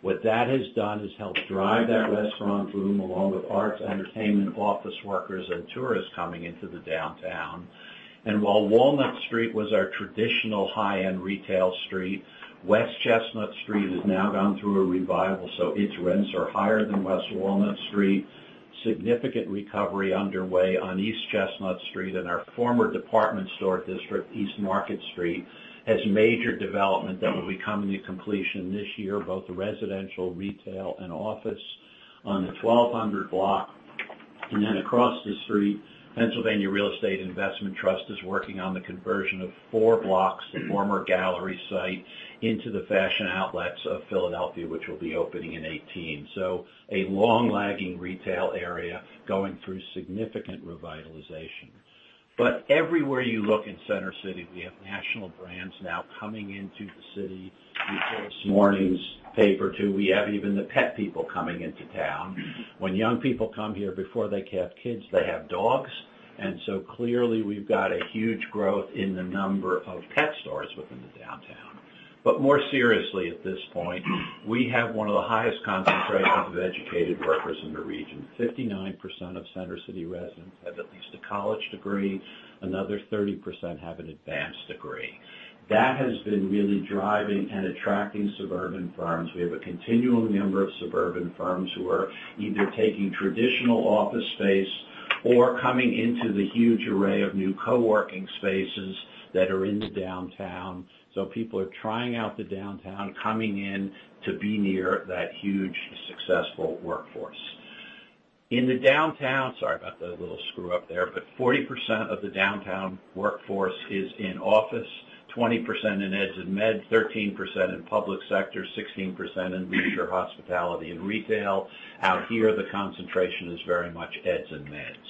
What that has done is helped drive that restaurant boom, along with arts, entertainment, office workers, and tourists coming into the downtown. While Walnut Street was our traditional high-end retail street, West Chestnut Street has now gone through a revival, its rents are higher than West Walnut Street. Significant recovery underway on East Chestnut Street and our former department store district, East Market Street, has major development that will be coming to completion this year, both residential, retail, and office on the 1,200 block. Across the street, Pennsylvania Real Estate Investment Trust is working on the conversion of four blocks, the former Gallery site, into the Fashion District Philadelphia, which will be opening in 2018. A long-lagging retail area going through significant revitalization. Everywhere you look in Center City, we have national brands now coming into the city. We saw this morning's paper, too. We have even the pet people coming into town. When young people come here before they have kids, they have dogs, clearly, we've got a huge growth in the number of pet stores within the downtown. More seriously, at this point, we have one of the highest concentrations of educated workers in the region. 59% of Center City residents have at least a college degree. Another 30% have an advanced degree. That has been really driving and attracting suburban firms. We have a continual number of suburban firms who are either taking traditional office space or coming into the huge array of new co-working spaces that are in the downtown. People are trying out the downtown, coming in to be near that huge, successful workforce. In the downtown, sorry about the little screw-up there, 40% of the downtown workforce is in office, 20% in eds and meds, 13% in public sector, 16% in leisure, hospitality, and retail. Out here, the concentration is very much eds and meds.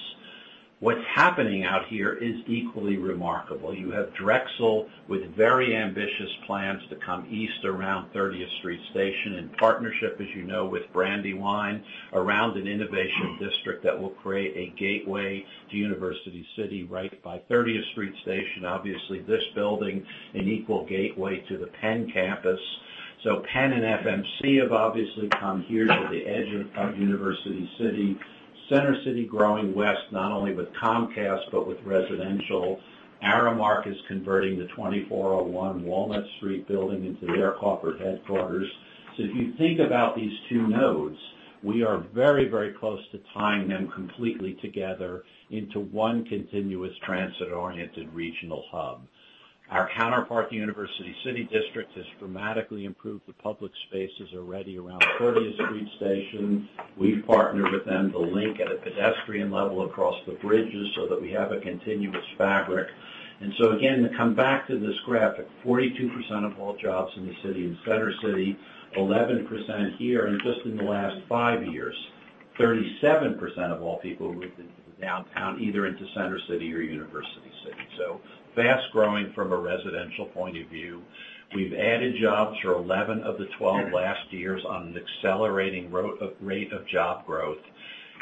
What's happening out here is equally remarkable. You have Drexel University with very ambitious plans to come east around 30th Street Station in partnership, as you know, with Brandywine Realty Trust around an innovation district that will create a gateway to University City right by 30th Street Station. Obviously, this building, an equal gateway to the University of Pennsylvania campus. Penn and FMC have obviously come here to the edge of University City. Center City growing west, not only with Comcast but with residential. Aramark is converting the 2401 Walnut Street building into their corporate headquarters. If you think about these two nodes, we are very close to tying them completely together into one continuous transit-oriented regional hub. Our counterpart, the University City District, has dramatically improved the public spaces already around 30th Street Station. We've partnered with them to link at a pedestrian level across the bridges that we have a continuous fabric. Again, to come back to this graphic, 42% of all jobs in the city in Center City, 11% here, and just in the last five years, 37% of all people moved into the downtown, either into Center City or University City. Fast-growing from a residential point of view. We've added jobs for 11 of the 12 last years on an accelerating rate of job growth.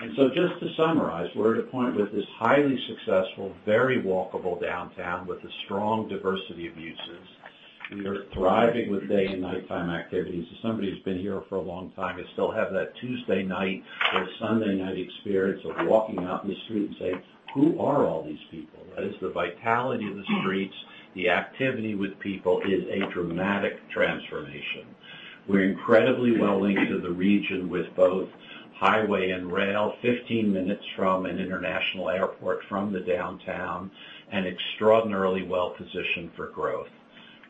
Just to summarize, we're at a point with this highly successful, very walkable downtown with a strong diversity of uses. We are thriving with day and nighttime activities. As somebody who's been here for a long time, I still have that Tuesday night or Sunday night experience of walking out in the street and saying, "Who are all these people?" That is the vitality of the streets. The activity with people is a dramatic transformation. We're incredibly well linked to the region with both highway and rail, 15 minutes from an international airport from the downtown, and extraordinarily well-positioned for growth.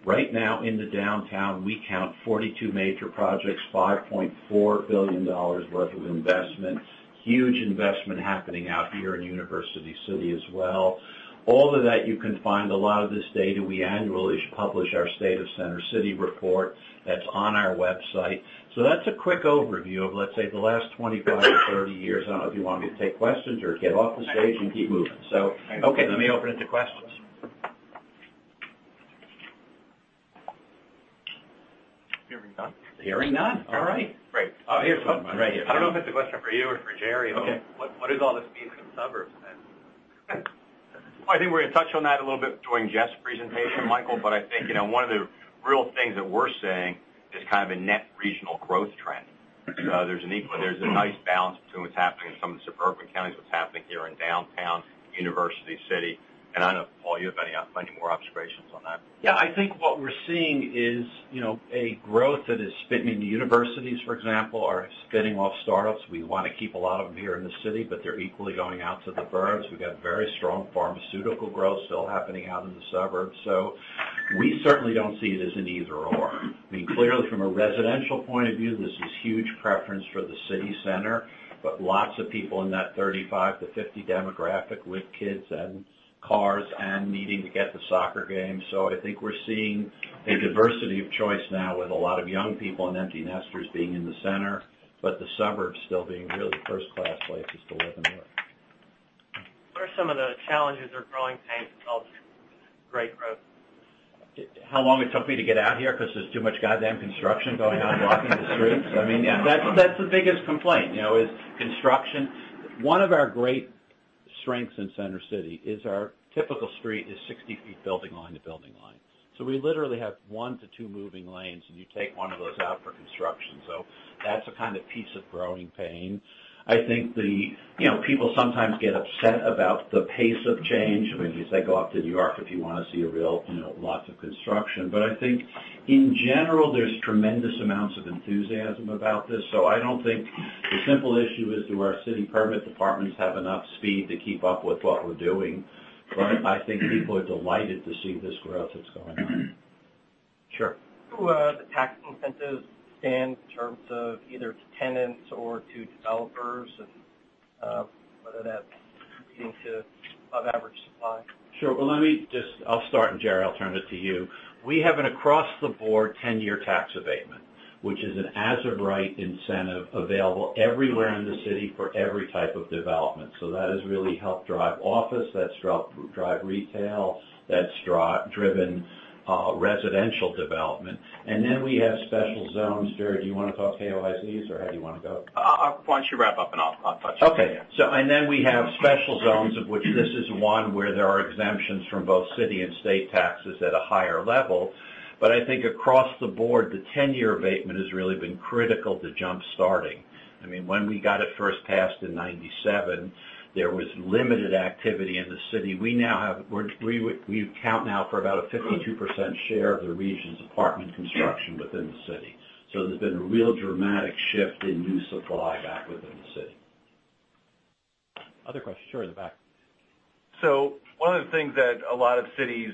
Right now in the downtown, we count 42 major projects, $5.4 billion worth of investment. Huge investment happening out here in University City as well. All of that you can find a lot of this data, we annually publish our State of Center City report that's on our website. That's a quick overview of, let's say, the last 25 or 30 years. I don't know if you want me to take questions or get off the stage and keep moving. Okay, let me open it to questions. Hearing none. Hearing none. All right. Great. Oh, here's one right here. I don't know if it's a question for you or for Jerry. Okay. What is all this meaning in suburbs then? I think one of the real things that we're seeing is kind of a net regional growth trend. There's a nice balance between what's happening in some of the suburban counties, what's happening here in Downtown University City. I don't know, Paul, you have any more observations on that? I think what we're seeing is a growth that is spinning. The universities, for example, are spinning off startups. We want to keep a lot of them here in the city, but they're equally going out to the burbs. We've got very strong pharmaceutical growth still happening out in the suburbs. We certainly don't see it as an either/or. Clearly from a residential point of view, this is huge preference for the city center, but lots of people in that 35-50 demographic with kids and cars and needing to get to soccer games. I think we're seeing a diversity of choice now with a lot of young people and empty nesters being in the center, but the suburbs still being really first-class places to live and work. What are some of the challenges or growing pains involved in this great growth? How long it took me to get out here because there's too much goddamn construction going on blocking the streets. That's the biggest complaint, is construction. One of our great strengths in Center City is our typical street is 60 feet building line to building line. We literally have 1-2 moving lanes, and you take one of those out for construction. That's a kind of piece of growing pain. I think people sometimes get upset about the pace of change. As you say, go off to New York if you want to see lots of construction. I think in general, there's tremendous amounts of enthusiasm about this. I don't think the simple issue is do our city permit departments have enough speed to keep up with what we're doing. I think people are delighted to see this growth that's going on. Sure. Do the tax incentives stand in terms of either to tenants or to developers, and whether that's leading to above average supply? Sure. I'll start. Jerry, I'll turn it to you. We have an across-the-board 10-year tax abatement, which is an as of right incentive available everywhere in the city for every type of development. That has really helped drive office, that's helped drive retail, that's driven residential development. We have special zones. Jerry, do you want to talk KOZs or how do you want to go? Why don't you wrap up and I'll touch on that. Okay. We have special zones, of which this is one where there are exemptions from both city and state taxes at a higher level. I think across the board, the 10-year abatement has really been critical to jump-starting. When we got it first passed in 1997, there was limited activity in the city. We count now for about a 52% share of the region's apartment construction within the city. There's been a real dramatic shift in new supply back within the city. Other questions? Sure, in the back. One of the things that a lot of cities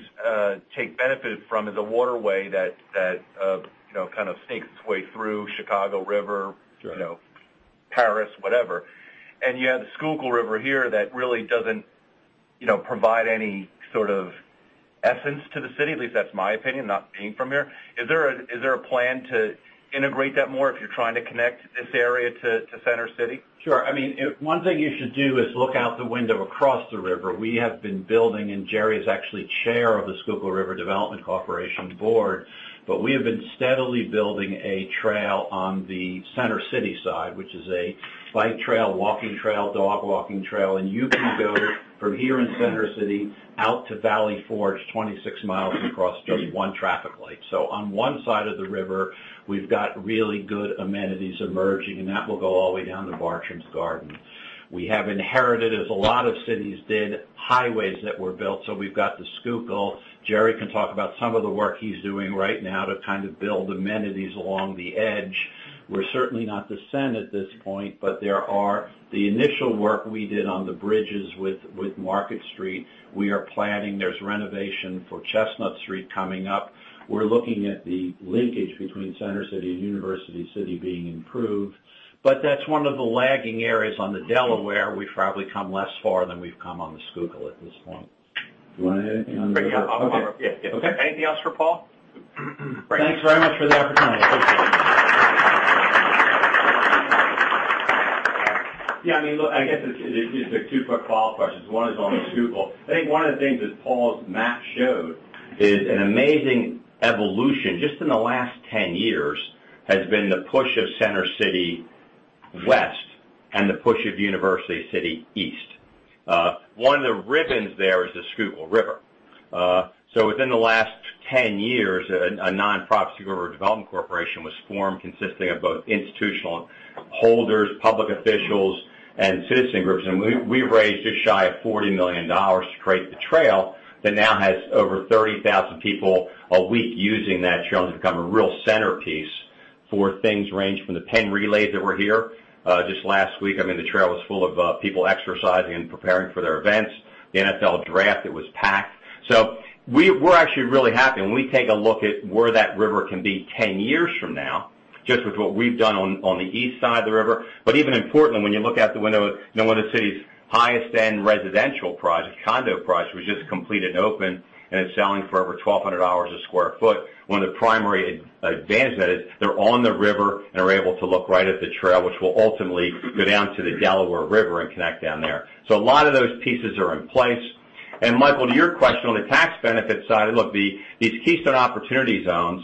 take benefit from is a waterway that kind of snakes its way through Chicago River- Sure Paris, whatever. You have the Schuylkill River here that really doesn't provide any sort of essence to the city. At least that's my opinion, not being from here. Is there a plan to integrate that more if you're trying to connect this area to Center City? Sure. One thing you should do is look out the window across the river. We have been building, and Jerry is actually chair of the Schuylkill River Development Corporation board. We have been steadily building a trail on the Center City side, which is a bike trail, walking trail, dog walking trail, and you can go from here in Center City out to Valley Forge, 26 miles across just one traffic light. On one side of the river, we've got really good amenities emerging, and that will go all the way down to Bartram's Garden. We have inherited, as a lot of cities did, highways that were built. We've got the Schuylkill. Jerry can talk about some of the work he's doing right now to kind of build amenities along the edge. We're certainly not the Seine at this point. There are the initial work we did on the bridges with Market Street. We are planning, there's renovation for Chestnut Street coming up. We're looking at the linkage between Center City and University City being improved. That's one of the lagging areas on the Delaware. We've probably come less far than we've come on the Schuylkill at this point. Do you want to add anything? Okay. Yeah. Okay. Anything else for Paul? Great. Thanks very much for that, Paul. I appreciate it. Yeah, I guess it's the two Paul questions. One is on the Schuylkill. I think one of the things that Paul's map showed is an amazing evolution, just in the last 10 years, has been the push of Center City West and the push of University City East. One of the ribbons there is the Schuylkill River. Within the last 10 years, a nonprofit Schuylkill River Development Corporation was formed consisting of both institutional and holders, public officials, and citizen groups. We raised just shy of $40 million to create the trail that now has over 30,000 people a week using that trail, and it's become a real centerpiece for things ranging from the Penn Relays that were here just last week. The trail was full of people exercising and preparing for their events. The NFL draft, it was packed. We're actually really happy. When we take a look at where that river can be 10 years from now, just with what we've done on the east side of the river. Even in Portland, when you look out the window, one of the city's highest-end residential projects, condo projects, was just completed and opened, and it's selling for over $1,200 a square foot. One of the primary advantages is they're on the river and are able to look right at the trail, which will ultimately go down to the Delaware River and connect down there. A lot of those pieces are in place. Michael, to your question on the tax benefit side, look, these Keystone Opportunity Zones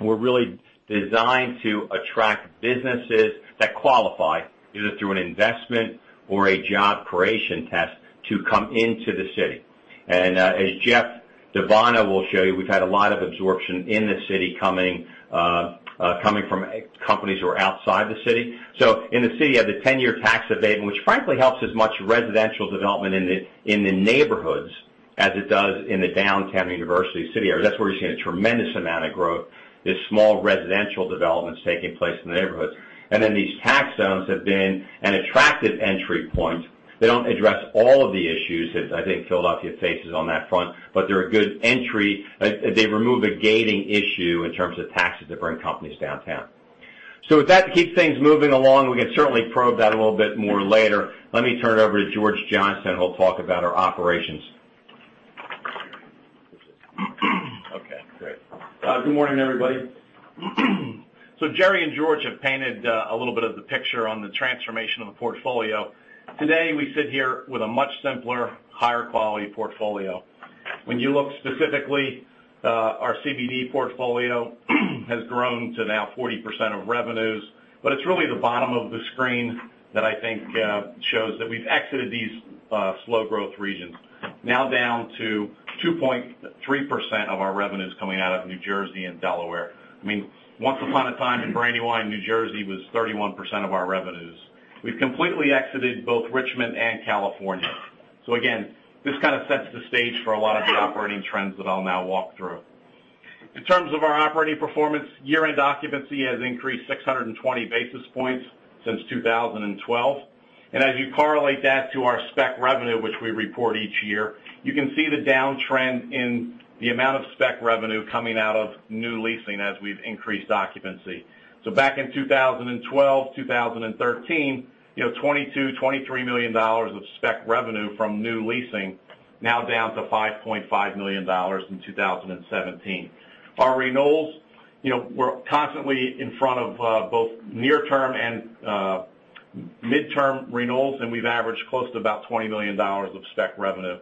were really designed to attract businesses that qualify, either through an investment or a job creation test, to come into the city. As Jeff DeVuono will show you, we've had a lot of absorption in the city coming from companies who are outside the city. In the city, you have the 10-year tax abatement, which frankly helps as much residential development in the neighborhoods as it does in the downtown University City area. That's where you're seeing a tremendous amount of growth, these small residential developments taking place in the neighborhoods. Then these tax zones have been an attractive entry point. They don't address all of the issues that I think Philadelphia faces on that front, but they're a good entry. They remove a gating issue in terms of taxes that bring companies downtown. With that, to keep things moving along, we can certainly probe that a little bit more later. Let me turn it over to George Johnstone, who will talk about our operations. Okay, great. Good morning, everybody. Jerry and George have painted a little bit of the picture on the transformation of the portfolio. Today, we sit here with a much simpler, higher-quality portfolio. When you look specifically, our CBD portfolio has grown to now 40% of revenues, but it's really the bottom of the screen that I think shows that we've exited these slow growth regions. Now down to 2.3% of our revenues coming out of New Jersey and Delaware. Once upon a time, in Brandywine, New Jersey was 31% of our revenues. We've completely exited both Richmond and California. Again, this kind of sets the stage for a lot of the operating trends that I'll now walk through. In terms of our operating performance, year-end occupancy has increased 620 basis points since 2012. As you correlate that to our spec revenue, which we report each year, you can see the downtrend in the amount of spec revenue coming out of new leasing as we've increased occupancy. Back in 2012, 2013, $22, $23 million of spec revenue from new leasing, now down to $5.5 million in 2017. Our renewals, we're constantly in front of both near-term and mid-term renewals, and we've averaged close to about $20 million of spec revenue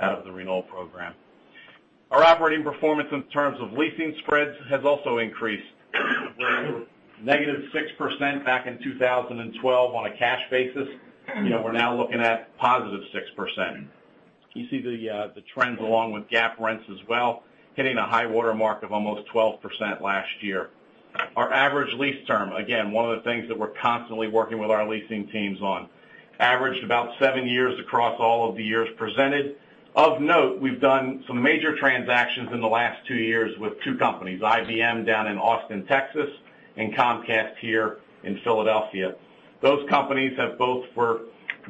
out of the renewal program. Our operating performance in terms of leasing spreads has also increased. We're at -6% back in 2012 on a cash basis. We're now looking at positive 6%. You see the trends along with GAAP rents as well, hitting a high water mark of almost 12% last year. Our average lease term, again, one of the things that we're constantly working with our leasing teams on, averaged about seven years across all of the years presented. Of note, we've done some major transactions in the last two years with two companies: IBM down in Austin, Texas, and Comcast here in Philadelphia. Those companies have both, for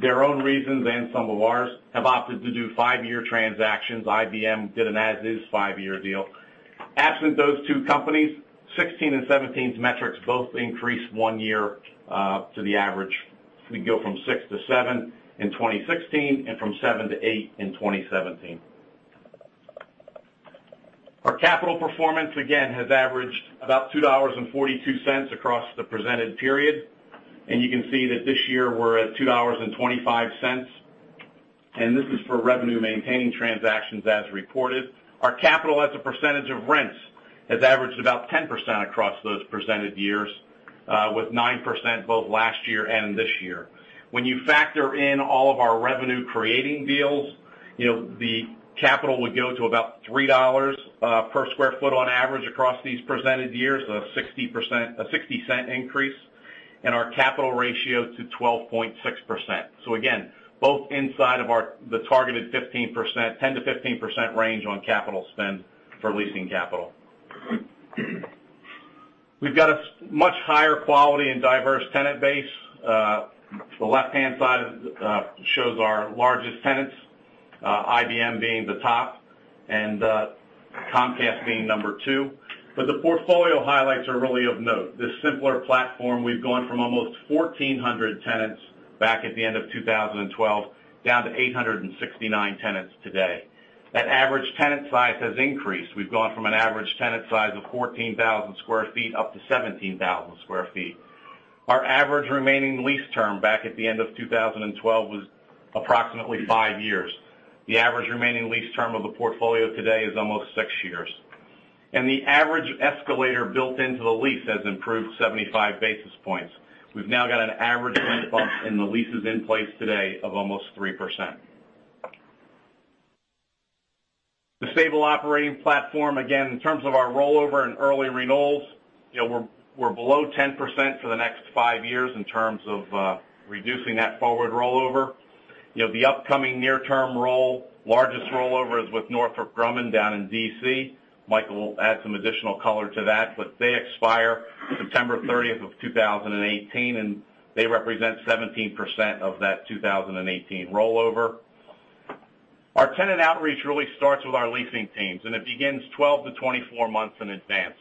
their own reasons and some of ours, have opted to do five-year transactions. IBM did an as-is five-year deal. Absent those two companies, 2016 and 2017's metrics both increased one year to the average. We go from six to seven in 2016, and from seven to eight in 2017. Our capital performance, again, has averaged about $2.42 across the presented period. You can see that this year we're at $2.25. This is for revenue-maintaining transactions as reported. Our capital as a percentage of rents has averaged about 10% across those presented years, with 9% both last year and this year. When you factor in all of our revenue-creating deals, the capital would go to about $3 per square foot on average across these presented years, a $0.60 increase, and our capital ratio to 12.6%. Again, both inside of the targeted 15%, 10%-15% range on capital spend for leasing capital. We've got a much higher quality and diverse tenant base. The left-hand side shows our largest tenants, IBM being the top and Comcast being number two. The portfolio highlights are really of note. This simpler platform, we've gone from almost 1,400 tenants back at the end of 2012, down to 869 tenants today. That average tenant size has increased. We've gone from an average tenant size of 14,000 sq ft up to 17,000 sq ft. Our average remaining lease term back at the end of 2012 was approximately five years. The average remaining lease term of the portfolio today is almost six years. The average escalator built into the lease has improved 75 basis points. We've now got an average rent bump in the leases in place today of almost 3%. The stable operating platform, again, in terms of our rollover and early renewals, we're below 10% for the next five years in terms of reducing that forward rollover. The upcoming near-term roll, largest rollover is with Northrop Grumman down in D.C. Michael will add some additional color to that. They expire September 30th, 2018, and they represent 17% of that 2018 rollover. Our tenant outreach really starts with our leasing teams, and it begins 12 to 24 months in advance.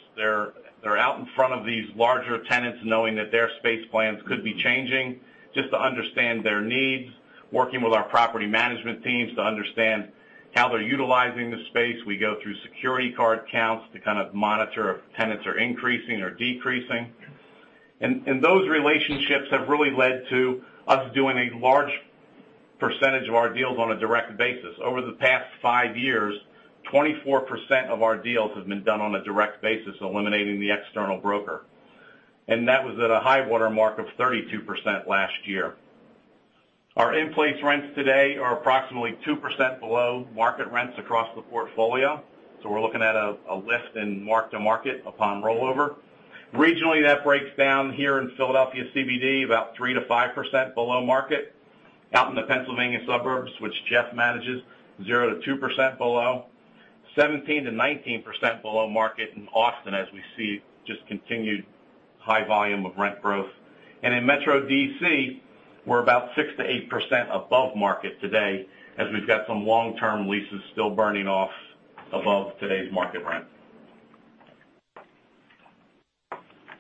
They're out in front of these larger tenants, knowing that their space plans could be changing, just to understand their needs, working with our property management teams to understand how they're utilizing the space. We go through security card counts to kind of monitor if tenants are increasing or decreasing. Those relationships have really led to us doing a large percentage of our deals on a direct basis. Over the past five years, 24% of our deals have been done on a direct basis, eliminating the external broker. That was at a high-water mark of 32% last year. Our in-place rents today are approximately 2% below market rents across the portfolio. We're looking at a lift in mark-to-market upon rollover. Regionally, that breaks down here in Philadelphia CBD, about 3%-5% below market. Out in the Pennsylvania suburbs, which Jeff manages, 0%-2% below. 17%-19% below market in Austin, as we see just continued high volume of rent growth. In Metro D.C., we're about 6%-8% above market today, as we've got some long-term leases still burning off above today's market rent.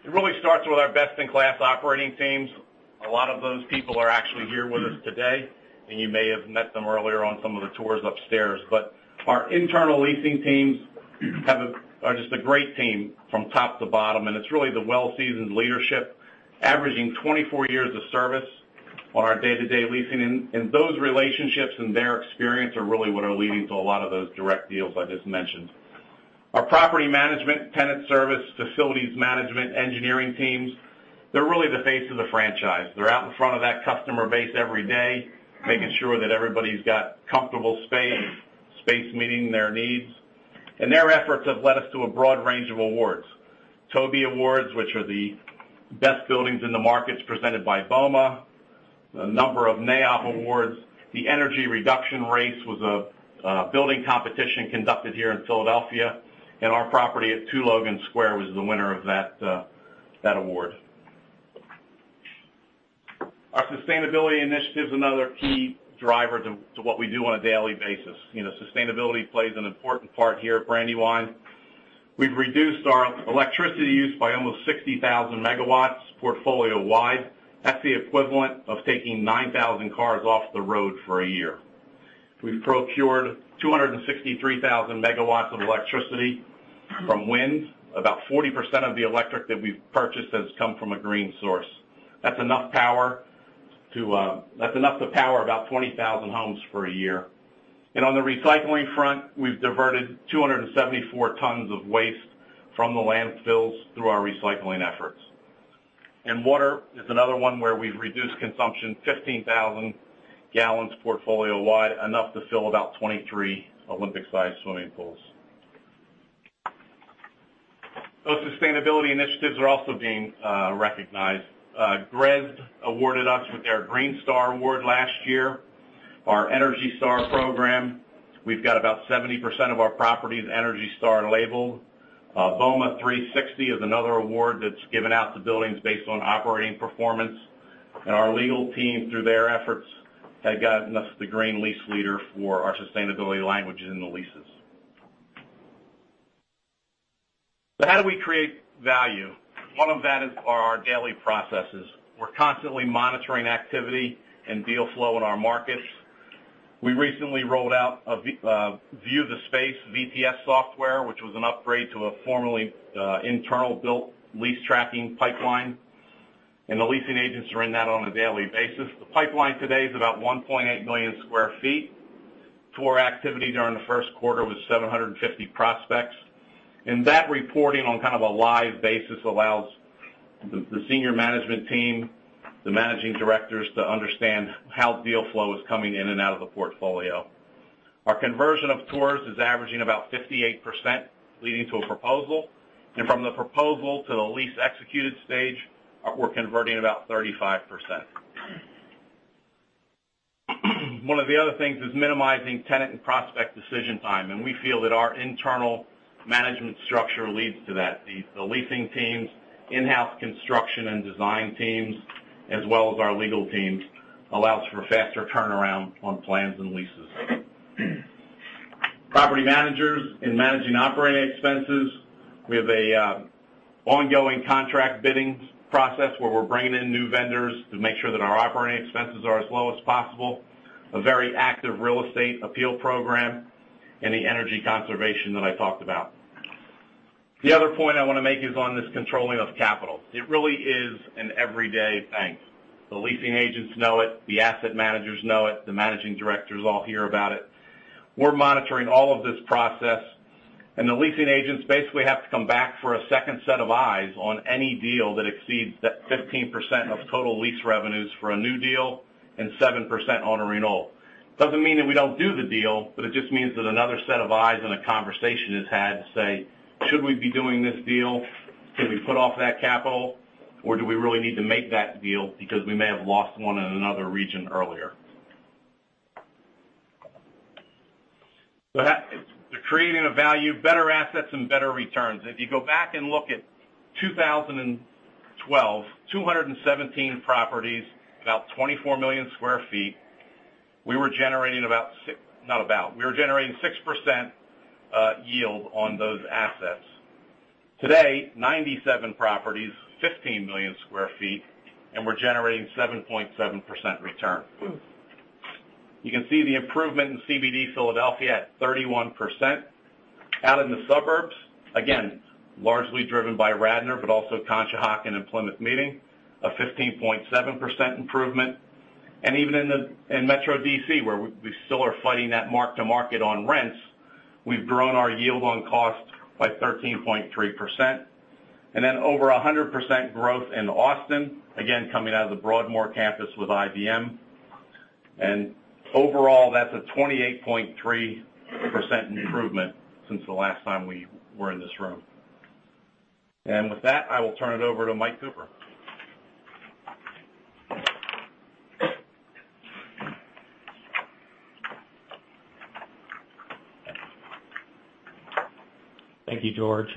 It really starts with our best-in-class operating teams. A lot of those people are actually here with us today, and you may have met them earlier on some of the tours upstairs. Our internal leasing teams are just a great team from top to bottom, and it's really the well-seasoned leadership, averaging 24 years of service on our day-to-day leasing. Those relationships and their experience are really what are leading to a lot of those direct deals I just mentioned. Our property management, tenant service, facilities management, engineering teams, they're really the face of the franchise. They're out in front of that customer base every day, making sure that everybody's got comfortable space meeting their needs. Their efforts have led us to a broad range of awards. TOBY Awards, which are the best buildings in the markets presented by BOMA. A number of NAIOP awards. The Energy Reduction Race was a building competition conducted here in Philadelphia, and our property at 2 Logan Square was the winner of that award. Our sustainability initiative's another key driver to what we do on a daily basis. Sustainability plays an important part here at Brandywine. We've reduced our electricity use by almost 60,000 megawatts portfolio-wide. That's the equivalent of taking 9,000 cars off the road for a year. We've procured 263,000 megawatts of electricity from wind. About 40% of the electric that we've purchased has come from a green source. That's enough to power about 20,000 homes for a year. On the recycling front, we've diverted 274 tons of waste from the landfills through our recycling efforts. Water is another one where we've reduced consumption 15,000 gallons portfolio-wide, enough to fill about 23 Olympic-sized swimming pools. Those sustainability initiatives are also being recognized. GRESB awarded us with their Green Star award last year. Our ENERGY STAR program, we've got about 70% of our properties ENERGY STAR-labeled. BOMA 360 is another award that's given out to buildings based on operating performance. Our legal team, through their efforts, have gotten us the Green Lease Leader for our sustainability languages in the leases. How do we create value? One of that is our daily processes. We're constantly monitoring activity and deal flow in our markets. We recently rolled out a View The Space, VTS, software, which was an upgrade to a formerly internal-built lease tracking pipeline. The leasing agents are in that on a daily basis. The pipeline today is about 1.8 million square feet. Tour activity during the first quarter was 750 prospects. That reporting on kind of a live basis allows the senior management team, the managing directors, to understand how deal flow is coming in and out of the portfolio. Our conversion of tours is averaging about 58%, leading to a proposal. From the proposal to the lease executed stage, we're converting about 35%. One of the other things is minimizing tenant and prospect decision time, and we feel that our internal management structure leads to that. The leasing teams, in-house construction and design teams, as well as our legal teams, allows for faster turnaround on plans and leases. Property managers in managing operating expenses, we have an ongoing contract biddings process where we're bringing in new vendors to make sure that our operating expenses are as low as possible, a very active real estate appeal program, and the energy conservation that I talked about. The other point I want to make is on this controlling of capital. It really is an everyday thing. The leasing agents know it, the asset managers know it, the managing directors all hear about it. We're monitoring all of this process. The leasing agents basically have to come back for a second set of eyes on any deal that exceeds that 15% of total lease revenues for a new deal and 7% on a renewal. Doesn't mean that we don't do the deal, it just means that another set of eyes and a conversation is had to say, "Should we be doing this deal? Should we put off that capital, or do we really need to make that deal because we may have lost one in another region earlier?" Creating a value, better assets, and better returns. If you go back and look at 2012, 217 properties, about 24 million square feet, we were generating 6% yield on those assets. Today, 97 properties, 15 million square feet, and we're generating 7.7% return. You can see the improvement in CBD Philadelphia at 31%. Out in the suburbs, again, largely driven by Radnor, but also Conshohocken and Plymouth Meeting, a 15.7% improvement. Even in Metro D.C., where we still are fighting that mark-to-market on rents, we've grown our yield on cost by 13.3%. Over 100% growth in Austin, again, coming out of the Broadmoor campus with IBM. That's a 28.3% improvement since the last time we were in this room. I will turn it over to Mike Cooper. Thank you, George.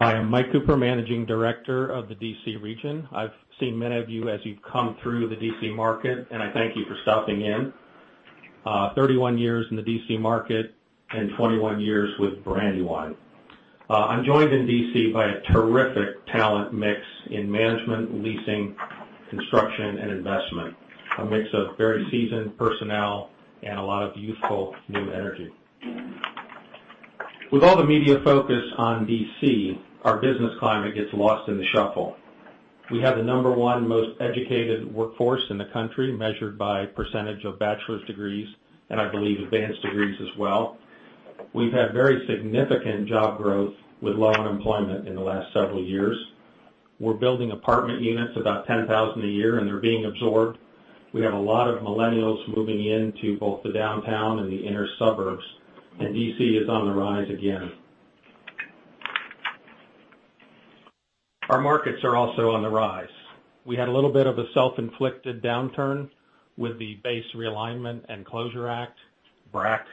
Hi, I'm Mike Cooper, managing director of the D.C. region. I've seen many of you as you've come through the D.C. market, and I thank you for stopping in. 31 years in the D.C. market and 21 years with Brandywine. I'm joined in D.C. by a terrific talent mix in management, leasing, construction, and investment. A mix of very seasoned personnel and a lot of youthful new energy. With all the media focus on D.C., our business climate gets lost in the shuffle. We have the number 1 most educated workforce in the country, measured by percentage of bachelor's degrees, and I believe advanced degrees as well. We've had very significant job growth with low unemployment in the last several years. We're building apartment units, about 10,000 a year, and they're being absorbed. We have a lot of millennials moving into both the downtown and the inner suburbs, D.C. is on the rise again. Our markets are also on the rise. We had a little bit of a self-inflicted downturn with the Base Realignment and Closure Act, BRAC,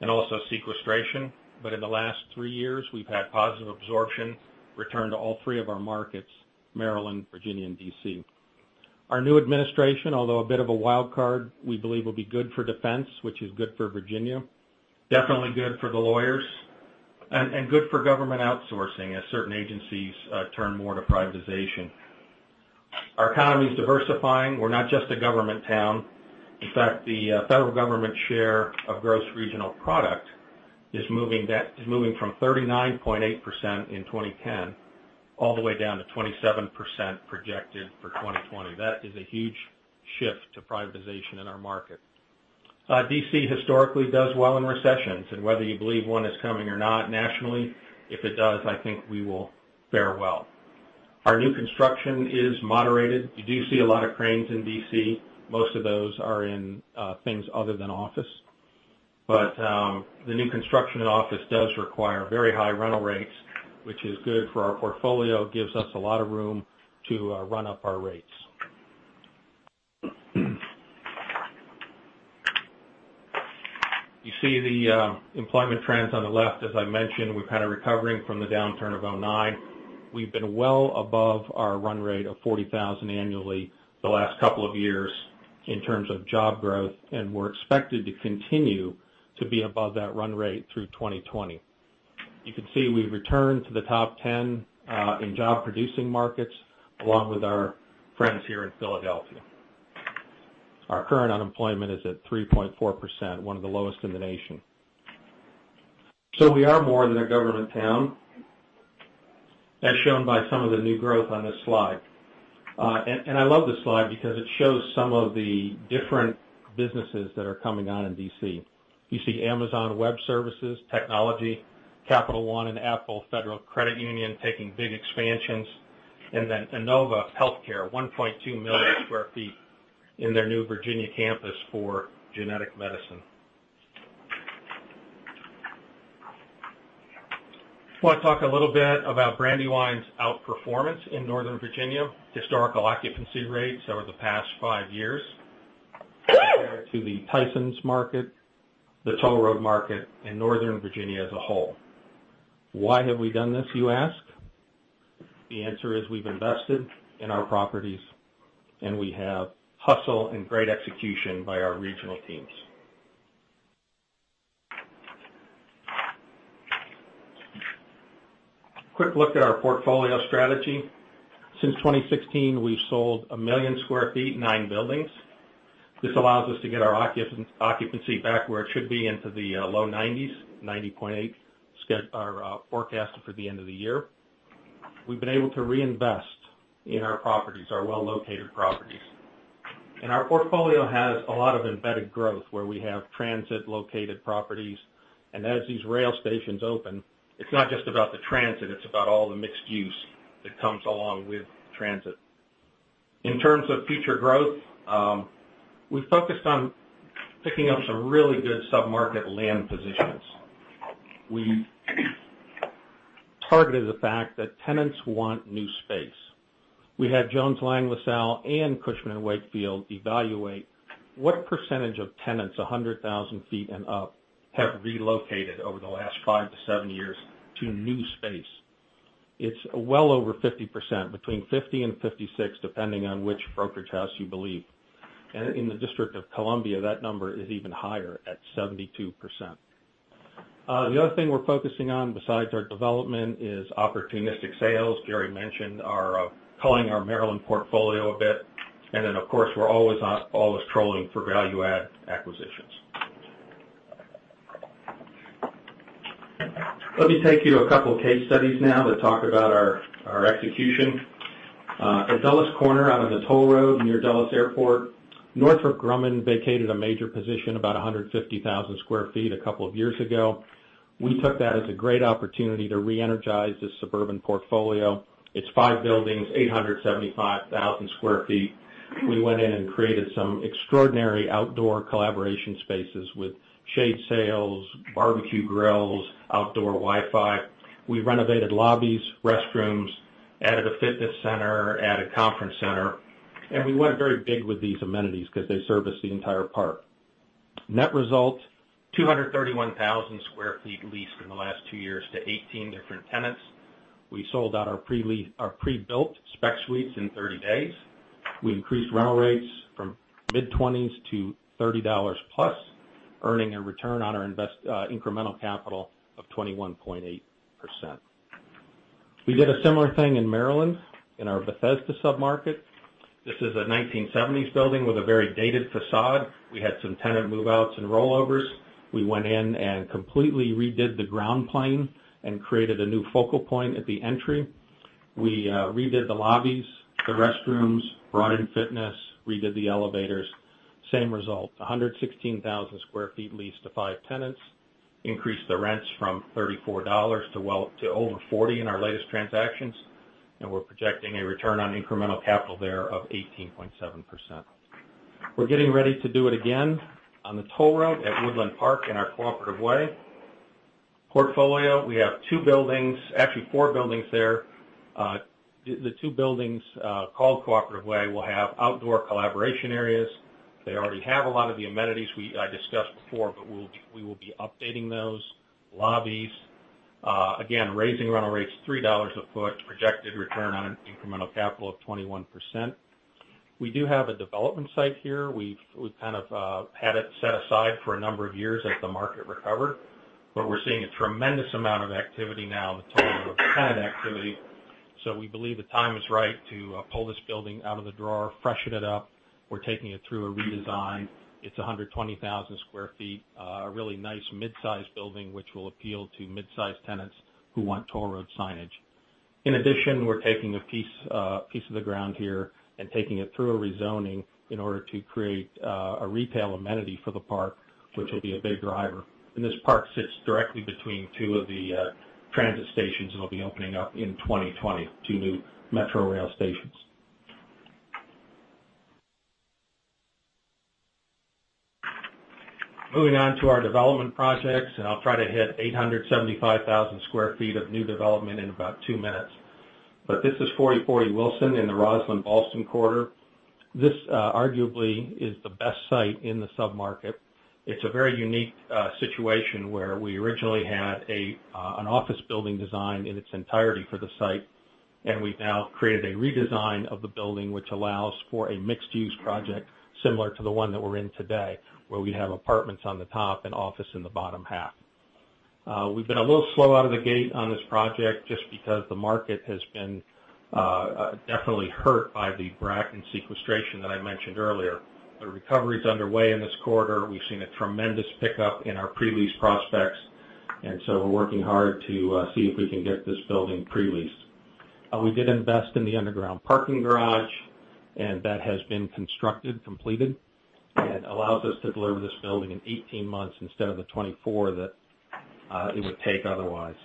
and also sequestration. In the last three years, we've had positive absorption return to all three of our markets, Maryland, Virginia, and D.C. Our new administration, although a bit of a wild card, we believe will be good for defense, which is good for Virginia, definitely good for the lawyers, and good for government outsourcing as certain agencies turn more to privatization. Our economy is diversifying. We're not just a government town. In fact, the federal government share of gross regional product is moving from 39.8% in 2010 all the way down to 27% projected for 2020. That is a huge shift to privatization in our market. D.C. historically does well in recessions, and whether you believe one is coming or not nationally, if it does, I think we will fare well. Our new construction is moderated. You do see a lot of cranes in D.C. Most of those are in things other than office. The new construction in office does require very high rental rates, which is good for our portfolio, gives us a lot of room to run up our rates. You see the employment trends on the left. As I mentioned, we've had a recovering from the downturn of 2009. We've been well above our run rate of 40,000 annually the last couple of years in terms of job growth, and we're expected to continue to be above that run rate through 2020. You can see we've returned to the top 10 in job-producing markets, along with our friends here in Philadelphia. Our current unemployment is at 3.4%, one of the lowest in the nation. We are more than a government town, as shown by some of the new growth on this slide. I love this slide because it shows some of the different businesses that are coming on in D.C. You see Amazon Web Services, technology, Capital One, and Apple Federal Credit Union taking big expansions. Then Inova Healthcare, 1.2 million sq ft in their new Virginia campus for genetic medicine. Just want to talk a little bit about Brandywine's outperformance in Northern Virginia, historical occupancy rates over the past five years compared to the Tysons market, the Tollroad market, and Northern Virginia as a whole. Why have we done this, you ask? The answer is we've invested in our properties. We have hustle and great execution by our regional teams. A quick look at our portfolio strategy. Since 2016, we've sold 1 million sq ft, nine buildings. This allows us to get our occupancy back where it should be into the low 90s, 90.8% forecast for the end of the year. We've been able to reinvest in our properties, our well-located properties. Our portfolio has a lot of embedded growth where we have transit-located properties. As these rail stations open, it's not just about the transit, it's about all the mixed use that comes along with transit. In terms of future growth, we focused on picking up some really good sub-market land positions. We targeted the fact that tenants want new space. We had Jones Lang LaSalle and Cushman & Wakefield evaluate what percentage of tenants 100,000 sq ft and up have relocated over the last 5-7 years to new space. It's well over 50%, between 50% and 56%, depending on which brokerage house you believe. In the District of Columbia, that number is even higher at 72%. The other thing we're focusing on besides our development is opportunistic sales. Jerry mentioned culling our Maryland portfolio a bit. Of course, we're always on, always trolling for value-add acquisitions. Let me take you to a couple of case studies now to talk about our execution. At Dulles Corner out on the toll road near Dulles Airport, Northrop Grumman vacated a major position about 150,000 sq ft a couple of years ago. We took that as a great opportunity to reenergize this suburban portfolio. It's five buildings, 875,000 sq ft. We went in and created some extraordinary outdoor collaboration spaces with shade sails, barbecue grills, outdoor Wi-Fi. We renovated lobbies, restrooms, added a fitness center, added a conference center. We went very big with these amenities because they service the entire park. Net result, 231,000 sq ft leased in the last two years to 18 different tenants. We sold out our pre-built spec suites in 30 days. We increased rental rates from mid-$20s to $30-plus, earning a return on our incremental capital of 21.8%. We did a similar thing in Maryland in our Bethesda sub-market. This is a 1970s building with a very dated facade. We had some tenant move-outs and rollovers. We went in and completely redid the ground plane and created a new focal point at the entry. We redid the lobbies, the restrooms, brought in fitness, redid the elevators. Same result, 116,000 square feet leased to five tenants. Increased the rents from $34 to well to over $40 in our latest transactions, we're projecting a return on incremental capital there of 18.7%. We're getting ready to do it again on the toll road at Woodland Park in our Cooperative Way portfolio. We have two buildings, actually four buildings there. The two buildings, called Cooperative Way, will have outdoor collaboration areas. They already have a lot of the amenities we discussed before, but we will be updating those lobbies. Again, raising rental rates $3 a foot, projected return on an incremental capital of 21%. We do have a development site here. We've kind of had it set aside for a number of years as the market recovered, we're seeing a tremendous amount of activity now in the toll road, tenant activity. We believe the time is right to pull this building out of the drawer, freshen it up. We're taking it through a redesign. It's 120,000 square feet. A really nice mid-size building, which will appeal to mid-size tenants who want toll road signage. In addition, we're taking a piece of the ground here and taking it through a rezoning in order to create a retail amenity for the park, which will be a big driver. This park sits directly between two of the transit stations that'll be opening up in 2020, two new Metrorail stations. Moving on to our development projects, I'll try to hit 875,000 square feet of new development in about two minutes. This is 4040 Wilson in the Rosslyn-Ballston corridor. This arguably is the best site in the sub-market. It's a very unique situation where we originally had an office building design in its entirety for the site, we've now created a redesign of the building which allows for a mixed-use project similar to the one that we're in today, where we have apartments on the top and office in the bottom half. We've been a little slow out of the gate on this project just because the market has been definitely hurt by the BRAC and sequestration that I mentioned earlier. The recovery's underway in this corridor. We've seen a tremendous pickup in our pre-lease prospects, we're working hard to see if we can get this building pre-leased. We did invest in the underground parking garage, that has been constructed, completed, and allows us to deliver this building in 18 months instead of the 24 that it would take otherwise.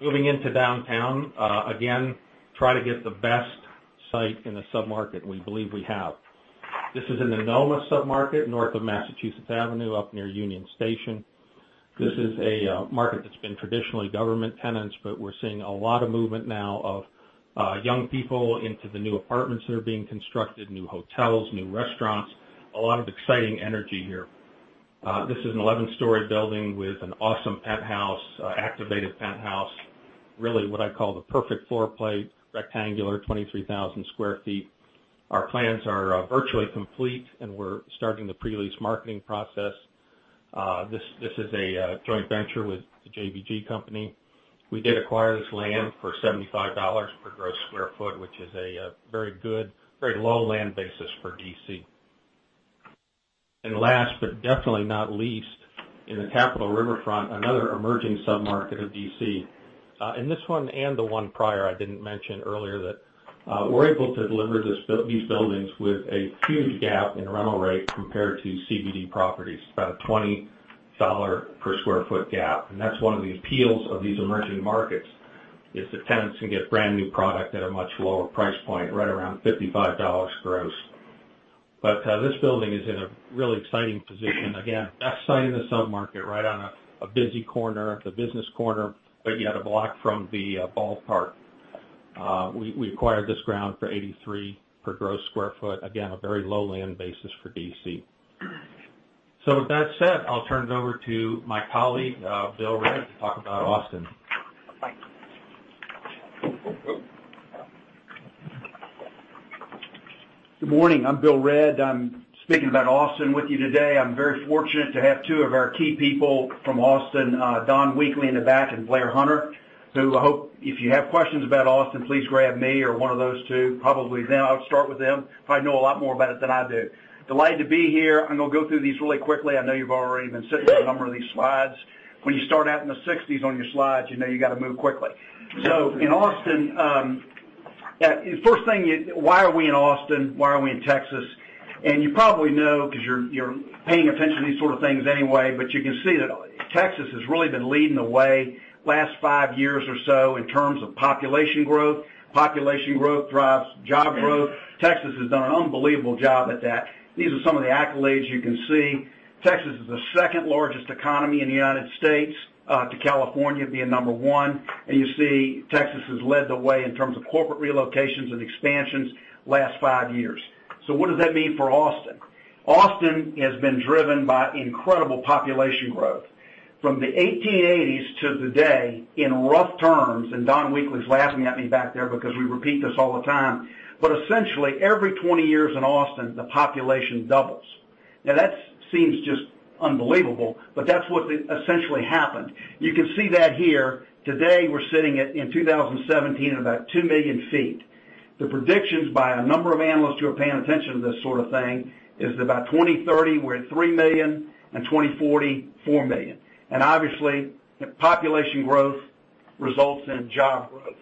Moving into downtown, again, try to get the best site in the sub-market, we believe we have. This is in the NoMa sub-market, north of Massachusetts Avenue, up near Union Station. This is a market that's been traditionally government tenants, we're seeing a lot of movement now of young people into the new apartments that are being constructed, new hotels, new restaurants. A lot of exciting energy here. This is an 11-story building with an awesome penthouse, activated penthouse. Really what I call the perfect floor plate, rectangular 23,000 square feet. Our plans are virtually complete, and we're starting the pre-lease marketing process. This is a joint venture with the JBG company. We did acquire this land for $75 per gross square foot, which is a very good, very low land basis for D.C. Last, but definitely not least, in the Capital Riverfront, another emerging sub-market of D.C. In this one and the one prior, I didn't mention earlier that we're able to deliver these buildings with a huge gap in rental rate compared to CBD properties, about a $20 per square foot gap. That's one of the appeals of these emerging markets, is the tenants can get brand-new product at a much lower price point, right around $55 gross. This building is in a really exciting position. Again, best site in the sub-market, right on a busy corner, it's a business corner, but yet a block from the ballpark. We acquired this ground for $83 per gross square foot. Again, a very low land basis for D.C. With that said, I'll turn it over to my colleague, Bill Redd, to talk about Austin. Good morning. I'm Bill Redd. I'm speaking about Austin with you today. I'm very fortunate to have two of our key people from Austin, Don Weekley in the back, and Blair Hunter, who I hope if you have questions about Austin, please grab me or one of those two. Probably them. I would start with them. Probably know a lot more about it than I do. Delighted to be here. I'm going to go through these really quickly. I know you've already been sitting through a number of these slides. When you start out in the 60s on your slides, you know you got to move quickly. In Austin, first thing, why are we in Austin? Why are we in Texas? You probably know because you're paying attention to these sort of things anyway, but you can see that Texas has really been leading the way last five years or so in terms of population growth. Population growth drives job growth. Texas has done an unbelievable job at that. These are some of the accolades you can see. Texas is the second-largest economy in the United States, to California being number one, and you see Texas has led the way in terms of corporate relocations and expansions last five years. What does that mean for Austin? Austin has been driven by incredible population growth. From the 1880s to the day, in rough terms, and Don Weekley's laughing at me back there because we repeat this all the time, but essentially, every 20 years in Austin, the population doubles. Now that seems just unbelievable, but that's what essentially happened. You can see that here. Today, we're sitting at, in 2017, about 2 million ft. The predictions by a number of analysts who are paying attention to this sort of thing is that by 2030, we're at 3 million, and 2040, 4 million. Obviously, population growth results in job growth.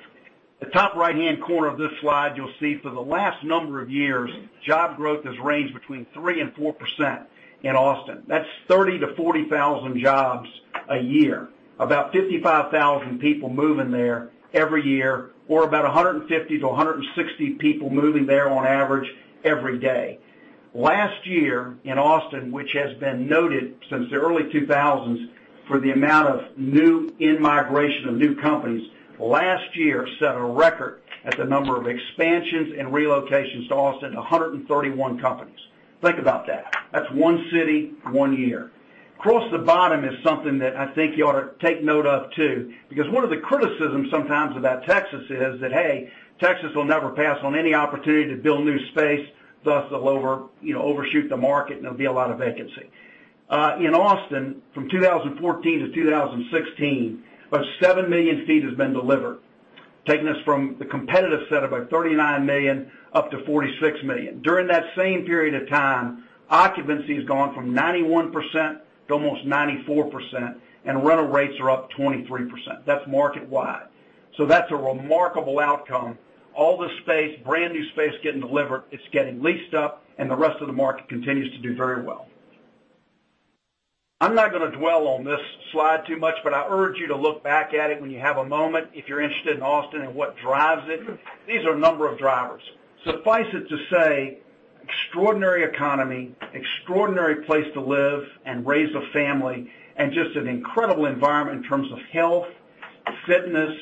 The top right-hand corner of this slide, you'll see for the last number of years, job growth has ranged between 3%-4% in Austin. That's 30,000 to 40,000 jobs a year. About 55,000 people moving there every year, or about 150 to 160 people moving there on average every day. Last year in Austin, which has been noted since the early 2000s, for the amount of new in-migration of new companies, last year set a record at the number of expansions and relocations to Austin, 131 companies. Think about that. That's one city, one year. Across the bottom is something that I think you ought to take note of, too, because one of the criticisms sometimes about Texas is that, hey, Texas will never pass on any opportunity to build new space, thus they'll overshoot the market, and there'll be a lot of vacancy. In Austin, from 2014 to 2016, about 7 million feet has been delivered, taking us from the competitive set of about 39 million up to 46 million. During that same period of time, occupancy's gone from 91%-94%, and rental rates are up 23%. That's market-wide. That's a remarkable outcome. All this space, brand new space getting delivered, it's getting leased up, and the rest of the market continues to do very well. I'm not going to dwell on this slide too much, but I urge you to look back at it when you have a moment if you're interested in Austin and what drives it. These are a number of drivers. Suffice it to say, extraordinary economy, extraordinary place to live and raise a family, and just an incredible environment in terms of health, fitness,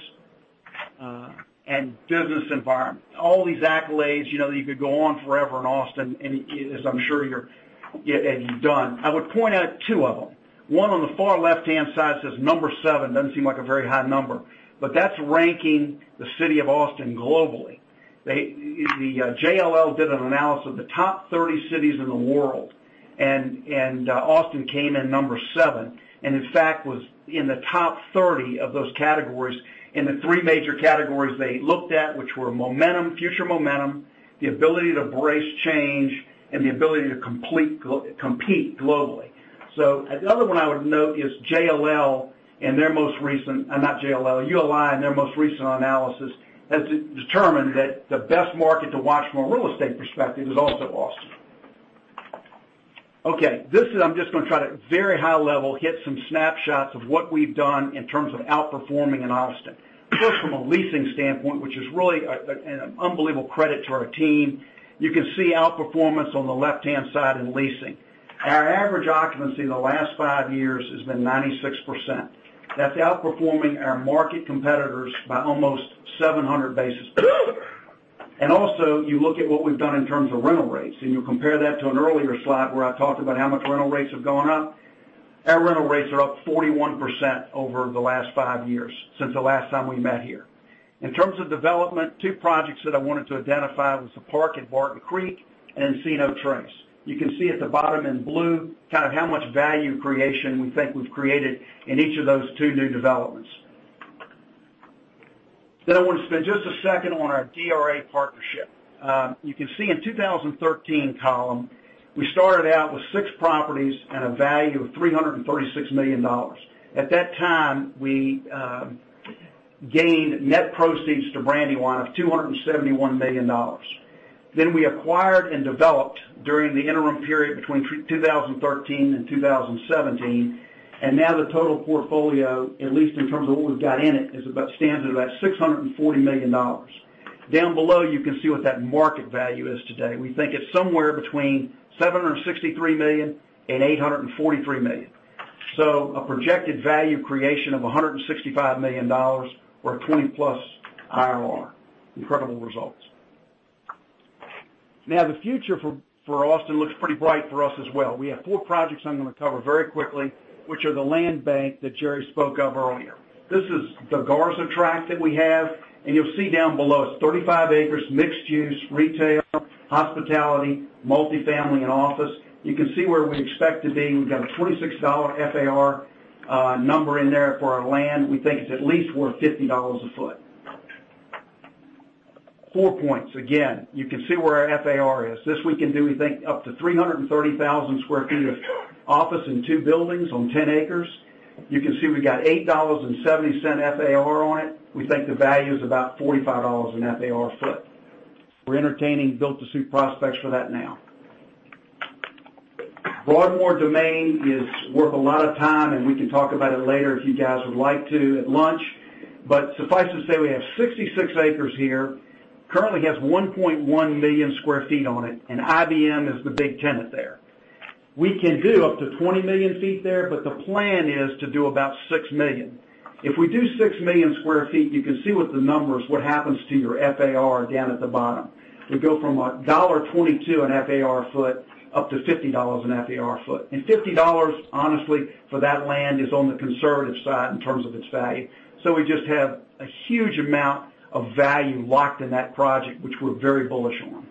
and business environment. All these accolades, you could go on forever in Austin, and as I'm sure you've done. I would point out two of them. One on the far left-hand side says number seven. Doesn't seem like a very high number, but that's ranking the city of Austin globally. JLL did an analysis of the top 30 cities in the world, Austin came in number seven, and in fact, was in the top 30 of those categories in the three major categories they looked at, which were momentum, future momentum, the ability to embrace change, and the ability to compete globally. The other one I would note is JLL in their most recent Not JLL, ULI in their most recent analysis, has determined that the best market to watch from a real estate perspective is also Austin. Okay. This is, I'm just going to try to, very high level, hit some snapshots of what we've done in terms of outperforming in Austin. First, from a leasing standpoint, which is really an unbelievable credit to our team. You can see outperformance on the left-hand side in leasing. Our average occupancy in the last five years has been 96%. That is outperforming our market competitors by almost 700 basis. You look at what we have done in terms of rental rates, and you compare that to an earlier slide where I talked about how much rental rates have gone up. Our rental rates are up 41% over the last five years, since the last time we met here. In terms of development, two projects that I wanted to identify was The Park at Barton Creek and Encino Trace. You can see at the bottom in blue kind of how much value creation we think we have created in each of those two new developments. I want to spend just a second on our DRA partnership. You can see in 2013 column, we started out with six properties and a value of $336 million. At that time, we gained net proceeds to Brandywine of $271 million. We acquired and developed during the interim period between 2013 and 2017. The total portfolio, at least in terms of what we have got in it, stands at about $640 million. Down below, you can see what that market value is today. We think it is somewhere between $763 million and $843 million. A projected value creation of $165 million or a 20-plus IRR. Incredible results. The future for Austin looks pretty bright for us as well. We have four projects I am going to cover very quickly, which are the land bank that Jerry spoke of earlier. This is the Garza tract that we have, and you will see down below, it is 35 acres, mixed use, retail, hospitality, multi-family, and office. You can see where we expect to be. We have got a $26 FAR number in there for our land. We think it is at least worth $50 a foot. Four Points, again, you can see where our FAR is. This we can do, we think, up to 330,000 square feet of office and two buildings on 10 acres. You can see we have got $8.70 FAR on it. We think the value is about $45 an FAR foot. We are entertaining built-to-suit prospects for that now. Broadmoor Domain is worth a lot of time, and we can talk about it later if you guys would like to at lunch. Suffice it to say, we have 66 acres here. Currently, it has 1.1 million square feet on it, and IBM is the big tenant there. We can do up to 20 million feet there, but the plan is to do about 6 million. If we do 6 million square feet, you can see with the numbers what happens to your FAR down at the bottom. We go from $1.22 an FAR foot up to $50 an FAR foot. $50, honestly, for that land is on the conservative side in terms of its value. We just have a huge amount of value locked in that project, which we are very bullish on.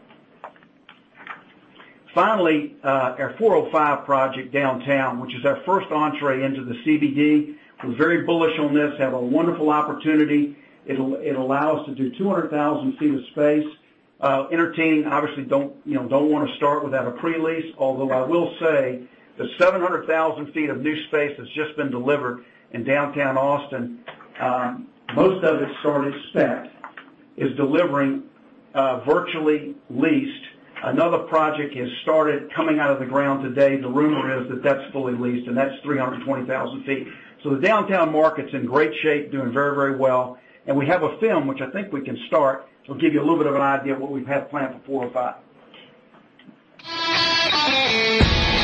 Finally, our 405 project downtown, which is our first entrée into the CBD. We are very bullish on this, have a wonderful opportunity. It will allow us to do 200,000 feet of space. Entertaining, obviously, don't want to start without a pre-lease, although I will say the 700,000 feet of new space that has just been delivered in downtown Austin, most of it is already spec, is delivering virtually leased. Another project has started coming out of the ground today. The rumor is that that's fully leased, that's 320,000 feet. The downtown market's in great shape, doing very well. We have a film, which I think we can start. It'll give you a little bit of an idea of what we have planned for 405. I'll turn it over to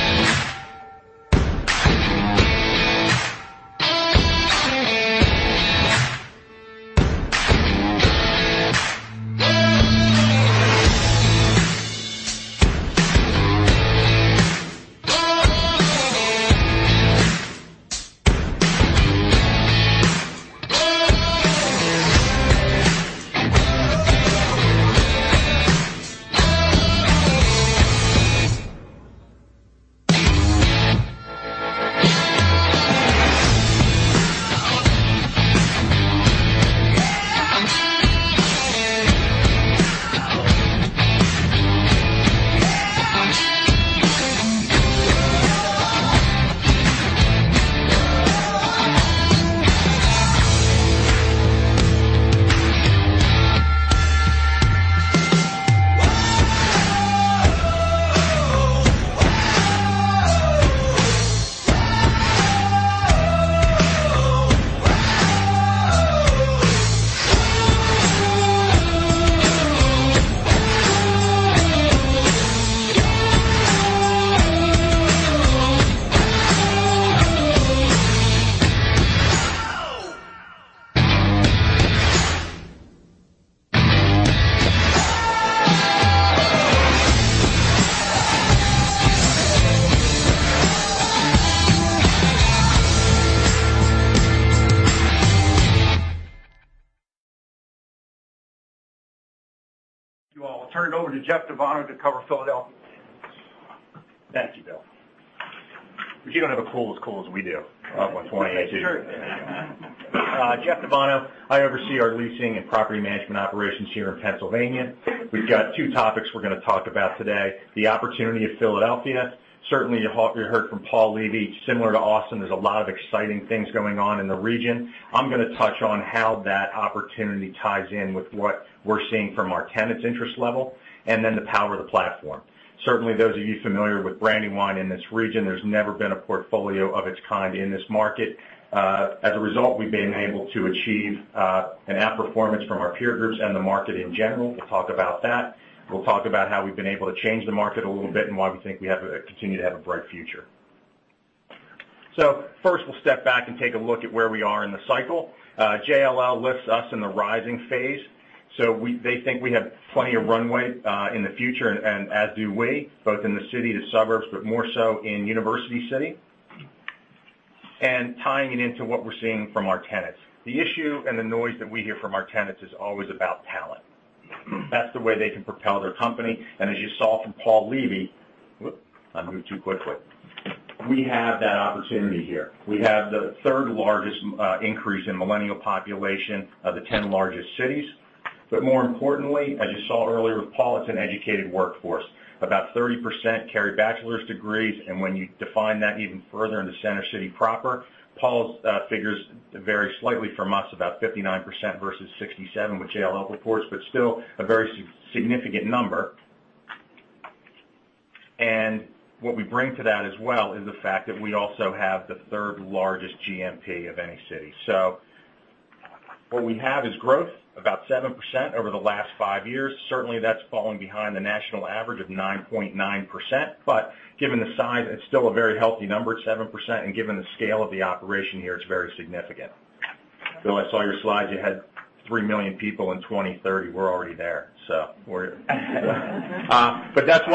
Jeff DeVuono to cover Philadelphia. Thank you, Bill. You don't have a pool as cool as we do up on 2018. Sure. Jeff DeVano. I oversee our leasing and property management operations here in Pennsylvania. We've got two topics we're going to talk about today, the opportunity of Philadelphia. Certainly, you heard from Paul Levy, similar to Austin, there's a lot of exciting things going on in the region. I'm going to touch on how that opportunity ties in with what we're seeing from our tenants' interest level, the power of the platform. Certainly, those of you familiar with Brandywine in this region, there's never been a portfolio of its kind in this market. As a result, we've been able to achieve an outperformance from our peer groups and the market in general. We'll talk about that. We'll talk about how we've been able to change the market a little bit and why we think we continue to have a bright future. First, we'll step back and take a look at where we are in the cycle. JLL lists us in the rising phase. They think we have plenty of runway in the future, as do we, both in the city, the suburbs, more so in University City. Tying it into what we're seeing from our tenants. The issue and the noise that we hear from our tenants is always about talent. That's the way they can propel their company. As you saw from Paul Levy, we have that opportunity here. We have the third-largest increase in millennial population of the 10 largest cities. More importantly, as you saw earlier with Paul, it's an educated workforce. About 30% carry bachelor's degrees. When you define that even further into Center City proper, Paul's figures vary slightly from us, about 59% versus 67%, which JLL reports, but still a very significant number. What we bring to that as well is the fact that we also have the third-largest GNP of any city. What we have is growth, about 7% over the last five years. Certainly, that's falling behind the national average of 9.9%, but given the size, it's still a very healthy number at 7%, and given the scale of the operation here, it's very significant. Bill, I saw your slides. You had 3 million people in 2030. We're already there. That's why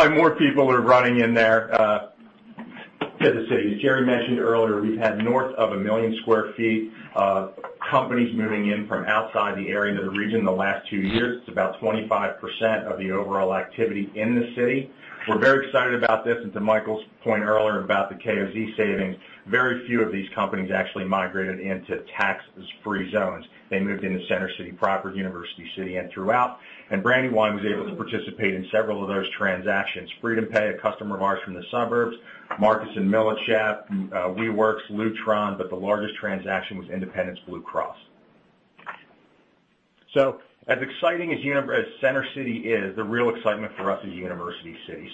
more people are running in there to the city. As Jerry mentioned earlier, we've had north of 1 million square feet of companies moving in from outside the area to the region in the last two years. It's about 25% of the overall activity in the city. We're very excited about this. To Michael's point earlier about the KOZ savings, very few of these companies actually migrated into taxes-free zones. They moved into Center City proper, University City, and throughout. Brandywine was able to participate in several of those transactions. FreedomPay, a customer of ours from the suburbs, Marcus & Millichap, WeWork, Lutron, but the largest transaction was Independence Blue Cross. As exciting as Center City is, the real excitement for us is University City.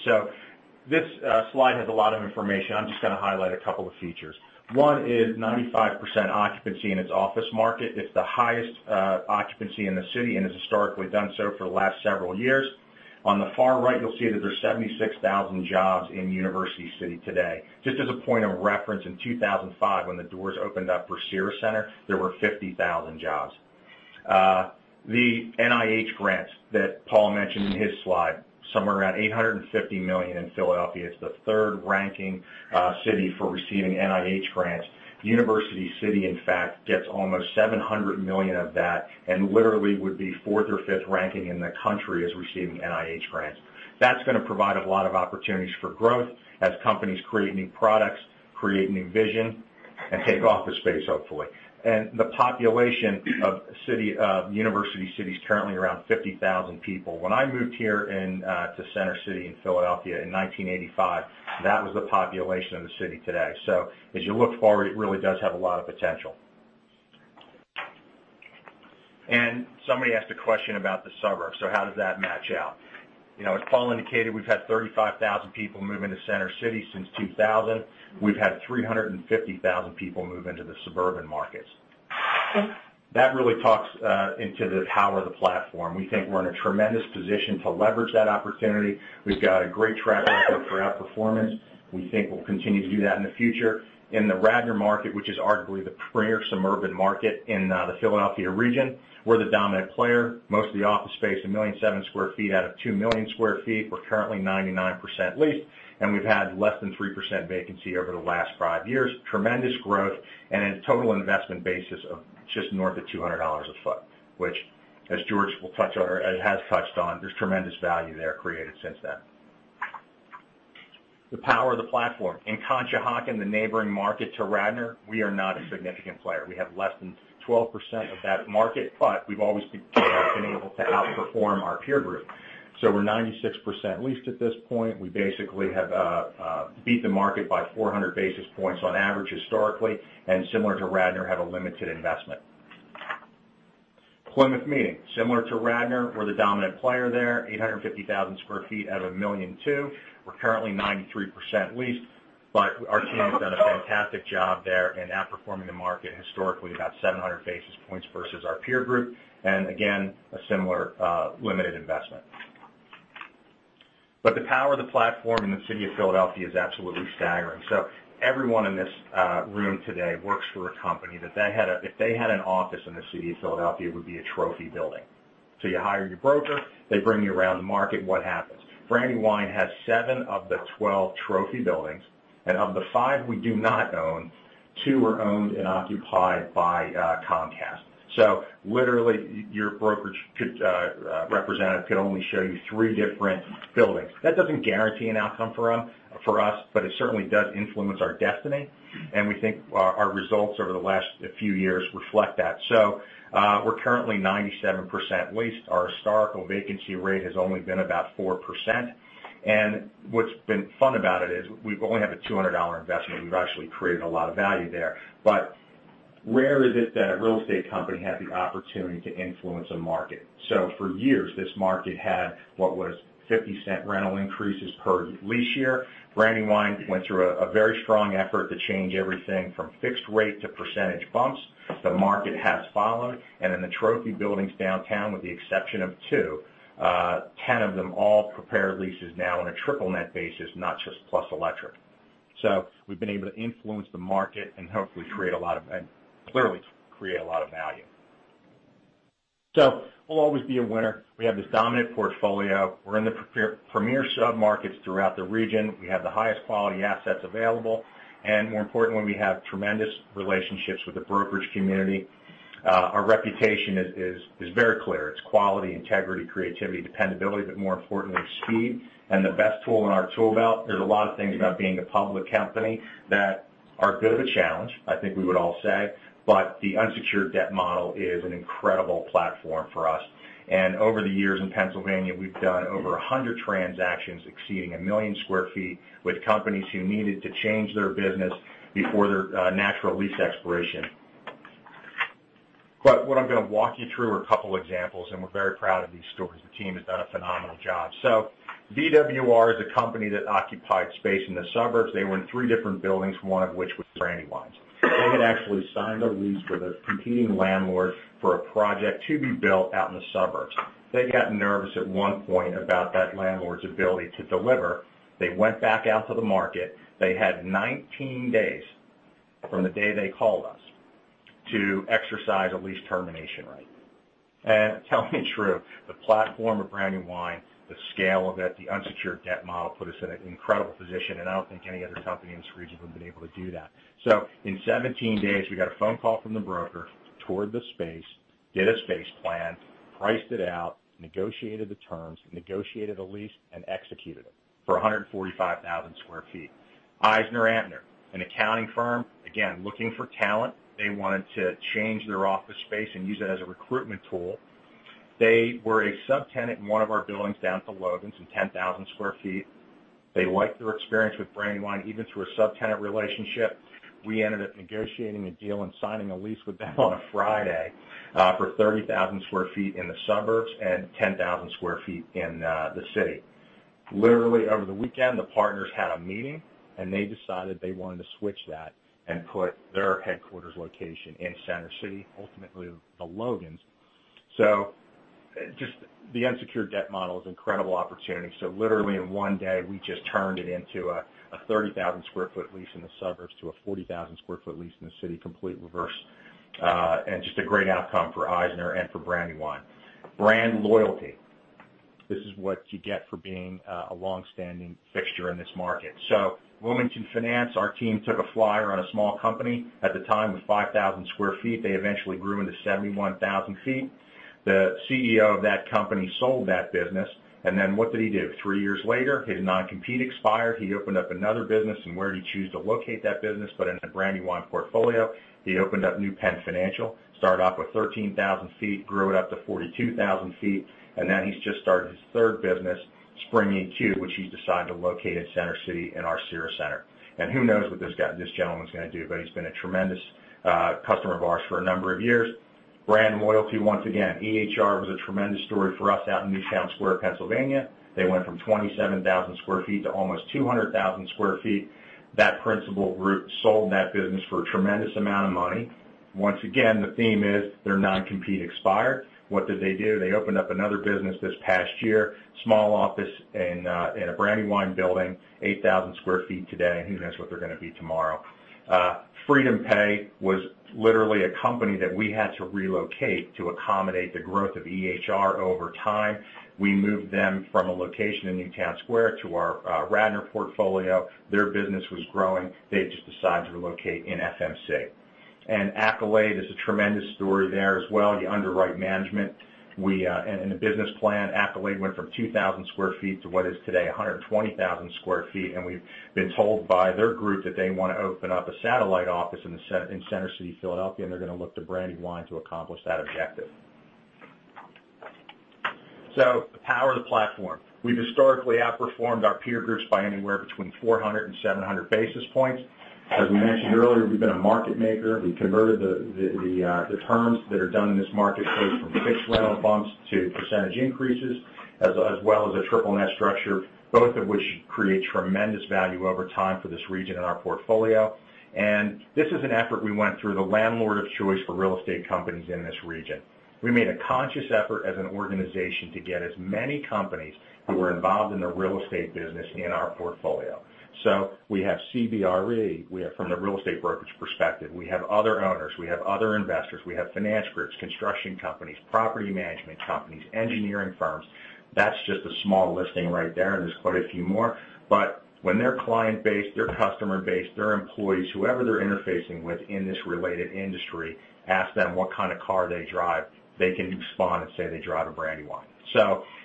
This slide has a lot of information. I'm just going to highlight a couple of features. One is 95% occupancy in its office market. It's the highest occupancy in the city and has historically done so for the last several years. On the far right, you'll see that there's 76,000 jobs in University City today. Just as a point of reference, in 2005, when the doors opened up for Cira Centre, there were 50,000 jobs. The NIH grants that Paul mentioned in his slide, somewhere around $850 million in Philadelphia. It's the third-ranking city for receiving NIH grants. University City, in fact, gets almost $700 million of that and literally would be fourth or fifth ranking in the country as receiving NIH grants. That's going to provide a lot of opportunities for growth as companies create new products, create new vision, and take office space, hopefully. The population of University City is currently around 50,000 people. When I moved here to Center City in Philadelphia in 1985, that was the population of the city today. As you look forward, it really does have a lot of potential. Somebody asked a question about the suburbs, how does that match out? As Paul indicated, we've had 35,000 people move into Center City since 2000. We've had 350,000 people move into the suburban markets. That really talks into the power of the platform. We think we're in a tremendous position to leverage that opportunity. We've got a great track record for outperformance. We think we'll continue to do that in the future. In the Radnor market, which is arguably the premier suburban market in the Philadelphia region, we're the dominant player. Most of the office space, 1.7 million square feet out of 2 million square feet, we're currently 99% leased. We've had less than 3% vacancy over the last five years. Tremendous growth and a total investment basis of just north of $200 a foot, which as George has touched on, there's tremendous value there created since then. The power of the platform. In Conshohocken, the neighboring market to Radnor, we are not a significant player. We have less than 12% of that market, but we've always been able to outperform our peer group. We're 96% leased at this point. We basically have beat the market by 400 basis points on average, historically, and similar to Radnor, have a limited investment. Plymouth Meeting, similar to Radnor, we're the dominant player there, 850,000 square feet out of 1.2 million. We're currently 93% leased. Our team has done a fantastic job there in outperforming the market historically, about 700 basis points versus our peer group. Again, a similar limited investment. The power of the platform in the city of Philadelphia is absolutely staggering. Everyone in this room today works for a company that if they had an office in the city of Philadelphia, it would be a trophy building. You hire your broker, they bring you around the market, what happens? Brandywine has seven of the 12 trophy buildings, and of the five we do not own, two are owned and occupied by Comcast. Literally, your brokerage representative could only show you three different buildings. That doesn't guarantee an outcome for us, but it certainly does influence our destiny, and we think our results over the last few years reflect that. We're currently 97% leased. Our historical vacancy rate has only been about 4%. What's been fun about it is we've only had a $200 investment. We've actually created a lot of value there. Rare is it that a real estate company has the opportunity to influence a market. For years, this market had what was $0.50 rental increases per lease year. Brandywine went through a very strong effort to change everything from fixed rate to percentage bumps. The market has followed, and in the trophy buildings downtown, with the exception of two, 10 of them all prepare leases now on a triple net basis, not just plus electric. We've been able to influence the market and clearly create a lot of value. We'll always be a winner. We have this dominant portfolio. We're in the premier submarkets throughout the region. We have the highest quality assets available. More importantly, we have tremendous relationships with the brokerage community. Our reputation is very clear. It's quality, integrity, creativity, dependability, but more importantly, speed. The best tool in our tool belt, there's a lot of things about being a public company that are a bit of a challenge, I think we would all say, but the unsecured debt model is an incredible platform for us. Over the years in Pennsylvania, we've done over 100 transactions exceeding 1 million square feet with companies who needed to change their business before their natural lease expiration. What I'm going to walk you through are a couple examples, and we're very proud of these stories. The team has done a phenomenal job. VWR is a company that occupied space in the suburbs. They were in three different buildings, one of which was Brandywine's. They had actually signed a lease with a competing landlord for a project to be built out in the suburbs. They got nervous at one point about that landlord's ability to deliver. They went back out to the market. They had 19 days from the day they called us to exercise a lease termination right. Tell me true, the platform of Brandywine, the scale of it, the unsecured debt model, put us in an incredible position. I don't think any other company in this region would've been able to do that. In 17 days, we got a phone call from the broker, toured the space, did a space plan, priced it out, negotiated the terms, negotiated a lease, and executed it for 145,000 sq ft. EisnerAmper, an accounting firm, again, looking for talent. They wanted to change their office space and use it as a recruitment tool. They were a subtenant in one of our buildings down at The Logan in 10,000 sq ft. They liked their experience with Brandywine, even through a subtenant relationship. We ended up negotiating a deal and signing a lease with them on a Friday for 30,000 sq ft in the suburbs and 10,000 sq ft in the city. Literally, over the weekend, the partners had a meeting. They decided they wanted to switch that and put their headquarters location in Center City, ultimately, The Logan. Just the unsecured debt model is incredible opportunity. Literally in one day, we just turned it into a 30,000-sq-ft lease in the suburbs to a 40,000-sq-ft lease in the city, complete reverse, and just a great outcome for Eisner and for Brandywine. Brand loyalty. This is what you get for being a long-standing fixture in this market. Wilmington Finance, our team took a flyer on a small company at the time with 5,000 sq ft. They eventually grew into 71,000 sq ft. The CEO of that company sold that business. What did he do? Three years later, his non-compete expired. He opened up another business. Where'd he choose to locate that business but in the Brandywine portfolio. He opened up New Penn Financial, started off with 13,000 sq ft, grew it up to 42,000 sq ft, and now he's just started his third business, Spring EQ, which he's decided to locate in Center City in our Cira Centre. Who knows what this gentleman's gonna do, but he's been a tremendous customer of ours for a number of years. Brand loyalty, once again. EHR was a tremendous story for us out in Newtown Square, Pennsylvania. They went from 27,000 sq ft to almost 200,000 sq ft. That principal group sold that business for a tremendous amount of money. Once again, the theme is their non-compete expired. What did they do? They opened up another business this past year, small office in a Brandywine building, 8,000 sq ft today. Who knows what they're gonna be tomorrow. FreedomPay was literally a company that we had to relocate to accommodate the growth of EHR over time. We moved them from a location in Newtown Square to our Radnor portfolio. Their business was growing. They just decided to relocate in FMC Tower. Accolade is a tremendous story there as well. You underwrite management. In the business plan, Accolade went from 2,000 sq ft to what is today 120,000 sq ft, and we've been told by their group that they want to open up a satellite office in Center City, Philadelphia, and they're going to look to Brandywine to accomplish that objective. The power of the platform. We've historically outperformed our peer groups by anywhere between 400 and 700 basis points. We mentioned earlier, we've been a market maker. We converted the terms that are done in this marketplace from fixed rent bumps to percentage increases, as well as a triple net structure, both of which create tremendous value over time for this region and our portfolio. This is an effort we went through, the landlord of choice for real estate companies in this region. We made a conscious effort as an organization to get as many companies who were involved in the real estate business in our portfolio. We have CBRE from the real estate brokerage perspective. We have other owners, we have other investors, we have finance groups, construction companies, property management companies, engineering firms. That's just a small listing right there, and there's quite a few more. When their client base, their customer base, their employees, whoever they're interfacing with in this related industry, ask them what kind of car they drive, they can respond and say they drive a Brandywine.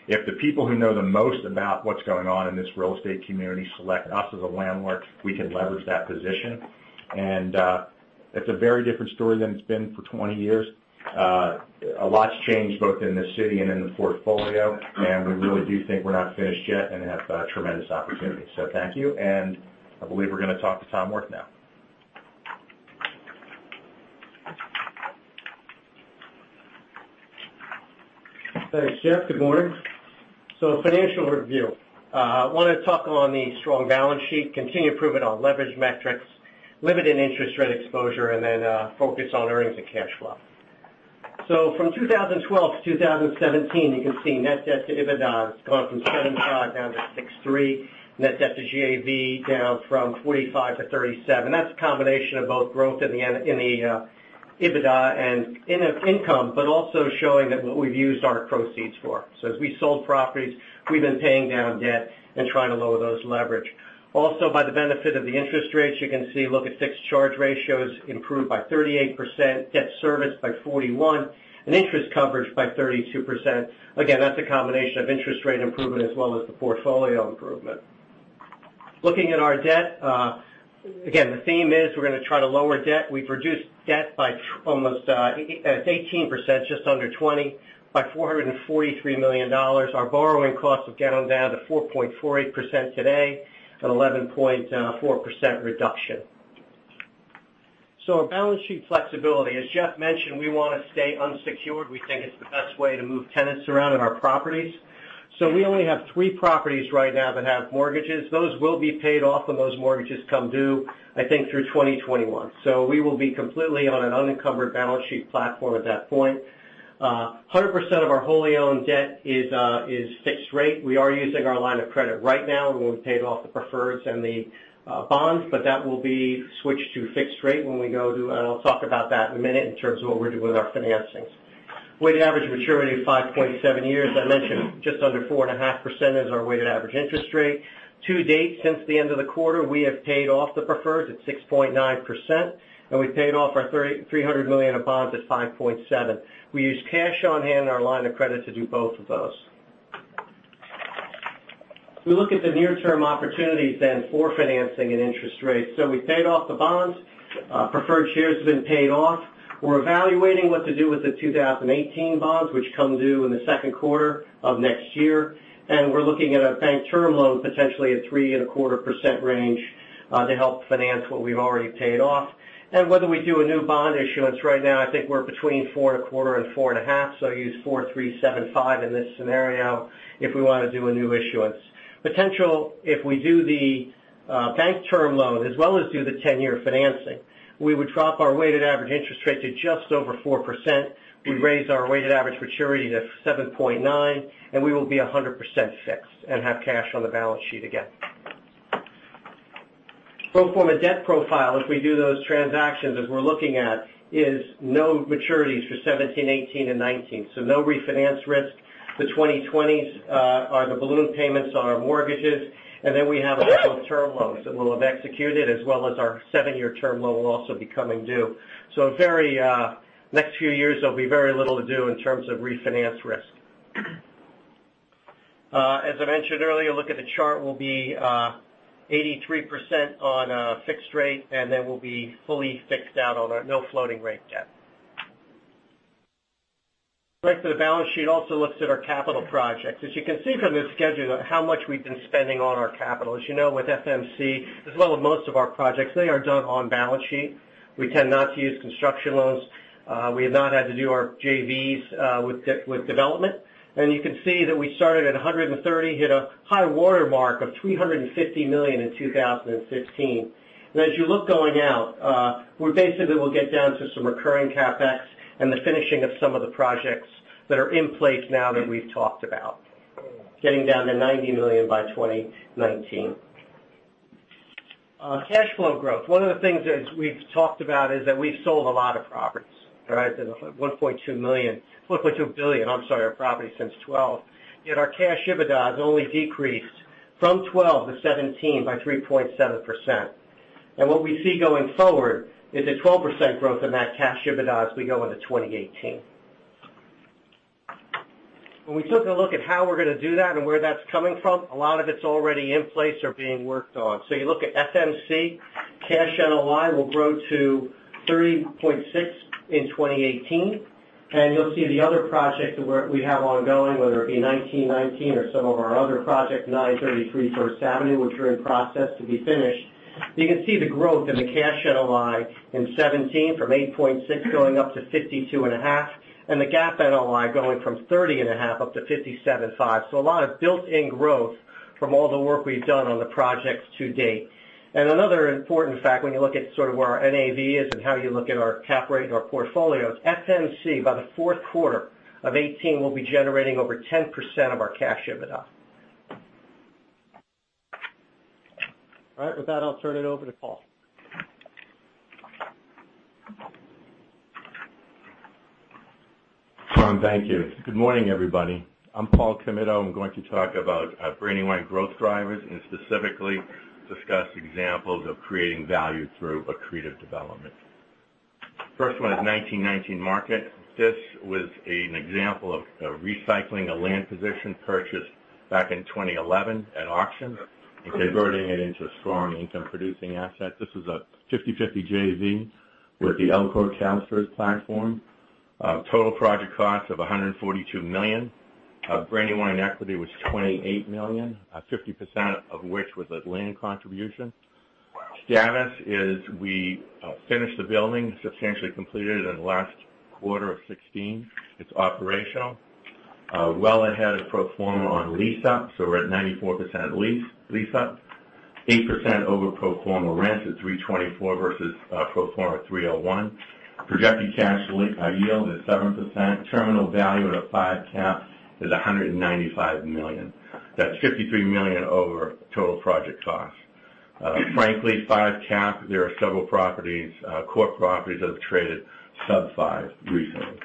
If the people who know the most about what's going on in this real estate community select us as a landlord, we can leverage that position. It's a very different story than it's been for 20 years. A lot's changed both in the city and in the portfolio, and we really do think we're not finished yet and have tremendous opportunities. Thank you, and I believe we're going to talk to Tom Wirth now. Thanks, Jeff. Good morning. Financial review. We want to talk on the strong balance sheet, continued improvement on leverage metrics, limited interest rate exposure, and then focus on earnings and cash flow. From 2012 to 2017, you can see net debt to EBITDA has gone from seven now it is three. Net debt to GAV down from 45 to 37. That's a combination of both growth in the EBITDA and income, but also showing that what we've used our proceeds for. As we sold properties, we've been paying down debt and trying to lower those leverage. Also, by the benefit of the interest rates, you can see, look at fixed charge ratios improved by 38%, debt service by 41%, and interest coverage by 32%. Again, that's a combination of interest rate improvement as well as the portfolio improvement. Looking at our debt, again, the theme is we're going to try to lower debt. We've reduced debt by almost 18%, just under 20, by $443 million. Our borrowing costs have gone down to 4.48% today, an 11.4% reduction. Our balance sheet flexibility. As Jeff mentioned, we want to stay unsecured. We think it's the best way to move tenants around in our properties. We only have three properties right now that have mortgages. Those will be paid off when those mortgages come due, I think through 2021. We will be completely on an unencumbered balance sheet platform at that point. 100% of our wholly owned debt is fixed rate. We are using our line of credit right now, and we've paid off the preferreds and the bonds, but that will be switched to fixed rate when we go to I'll talk about that in a minute in terms of what we're doing with our financings. Weighted average maturity of 5.7 years. I mentioned just under 4.5% is our weighted average interest rate. To date, since the end of the quarter, we have paid off the preferreds at 6.9%, and we paid off our $300 million of bonds at 5.7%. We used cash on hand and our line of credit to do both of those. If we look at the near-term opportunities for financing and interest rates. We paid off the bonds, preferred shares have been paid off. We're evaluating what to do with the 2018 bonds, which come due in the second quarter of next year. We're looking at a bank term loan, potentially a 3.25% range, to help finance what we've already paid off. Whether we do a new bond issuance right now, I think we're between 4.25% and 4.5%, so use 4.375% in this scenario if we want to do a new issuance. Potential if we do the bank term loan as well as do the 10-year financing, we would drop our weighted average interest rate to just over 4%. We'd raise our weighted average maturity to 7.9 years, and we will be 100% fixed and have cash on the balance sheet again. Pro forma debt profile, if we do those transactions as we're looking at, is no maturities for 2017, 2018, and 2019. No refinance risk. The 2020s are the balloon payments on our mortgages, and we have those term loans that we'll have executed, as well as our seven-year term loan will also be coming due. Next few years, there'll be very little to do in terms of refinance risk. As I mentioned earlier, look at the chart, we'll be 83% on a fixed rate, and we'll be fully fixed out on our no floating rate debt. Going to the balance sheet also looks at our capital projects. As you can see from this schedule how much we've been spending on our capital. As you know, with FMC, as well as most of our projects, they are done on-balance sheet. We tend not to use construction loans. We have not had to do our JVs with development. You can see that we started at $130 million, hit a high water mark of $350 million in 2015. As you look going out, we basically will get down to some recurring CapEx and the finishing of some of the projects that are in place now that we've talked about, getting down to $90 million by 2019. Cash flow growth. One of the things that we've talked about is that we've sold a lot of properties. Right? $1.2 billion, I'm sorry, of property since 2012. Yet our cash EBITDA has only decreased from 2012 to 2017 by 3.7%. What we see going forward is a 12% growth in that cash EBITDA as we go into 2018. When we took a look at how we're going to do that and where that's coming from, a lot of it's already in place or being worked on. You look at FMC, cash NOI will grow to $30.6 million in 2018. You'll see the other projects that we have ongoing, whether it be 1919 or some of our other projects, 933 First Avenue, which are in process to be finished. You can see the growth in the cash NOI in 2017 from $8.6 million going up to $52.5 million, and the GAAP NOI going from $30.5 million up to $57.5 million. A lot of built-in growth from all the work we've done on the projects to date. Another important fact when you look at sort of where our NAV is and how you look at our cap rate and our portfolios, FMC, by the fourth quarter of 2018, will be generating over 10% of our cash EBITDA. All right. With that, I'll turn it over to Paul. Tom, thank you. Good morning, everybody. I'm Paul Commito. I'm going to talk about Brandywine growth drivers and specifically discuss examples of creating value through accretive development. First one is 1919 Market. This was an example of recycling a land position purchased back in 2011 at auction and converting it into a strong income-producing asset. This was a 50/50 JV with the LCOR/CalSTRS platform. Total project cost of $142 million. Brandywine equity was $28 million, 50% of which was a land contribution. Status is we finished the building, substantially completed it in the last quarter of 2016. It's operational. Well ahead of pro forma on lease-up, so we're at 94% leased. 8% over pro forma rent at $324 versus pro forma $301. Projected cash yield is 7%. Terminal value at a 5 cap is $195 million. That's $53 million over total project cost. Frankly, 5 cap, there are several core properties that have traded sub 5 recently.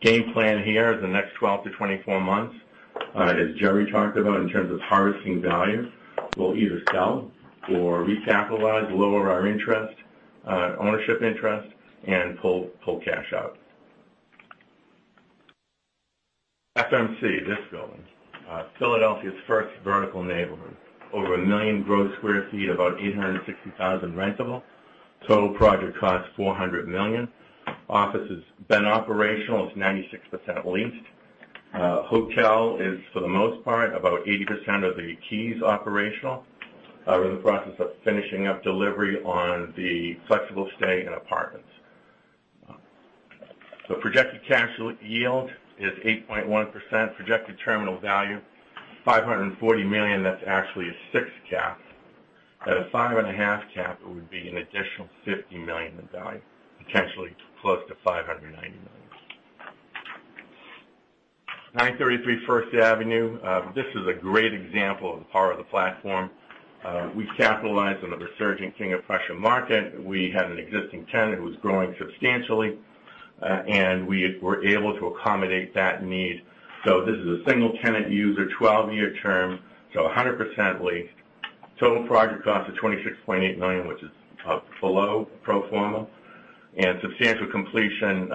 Game plan here is the next 12-24 months, as Jerry talked about in terms of harvesting value, we'll either sell or recapitalize, lower our ownership interest, and pull cash out. FMC, this building. Philadelphia's first vertical neighborhood. Over 1 million gross sq ft, about 860,000 rentable sq ft. Total project cost, $400 million. Office has been operational, it's 96% leased. Hotel is, for the most part, about 80% of the keys operational. We're in the process of finishing up delivery on the flexible stay and apartments. Projected cash yield is 8.1%. Projected terminal value, $540 million. That's actually a 6 cap. At a 5.5 cap, it would be an additional $50 million in value, potentially close to $590 million. 933 First Avenue. This is a great example of the power of the platform. We capitalized on the resurgent King of Prussia market. We had an existing tenant who was growing substantially, and we were able to accommodate that need. This is a single-tenant user, 12-year term, 100% leased. Total project cost of $26.8 million, which is below pro forma, and substantial completion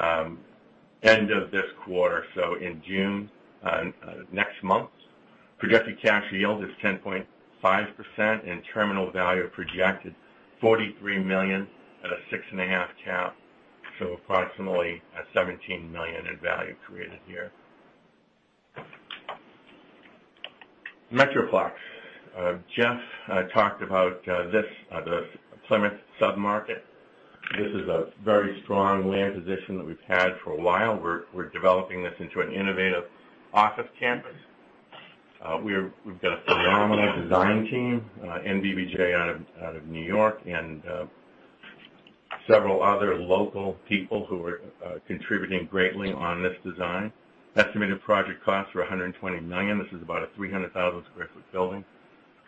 end of this quarter, in June, next month. Projected cash yield is 10.5%, and terminal value projected $43 million at a 6.5 cap, approximately a $17 million in value created here. Metroplex. Jeff talked about this, the Plymouth sub-market. This is a very strong land position that we've had for a while. We're developing this into an innovative office campus. We've got a phenomenal design team, NBBJ, out of New York, and several other local people who are contributing greatly on this design. Estimated project costs are $120 million. This is about a 300,000 sq ft building.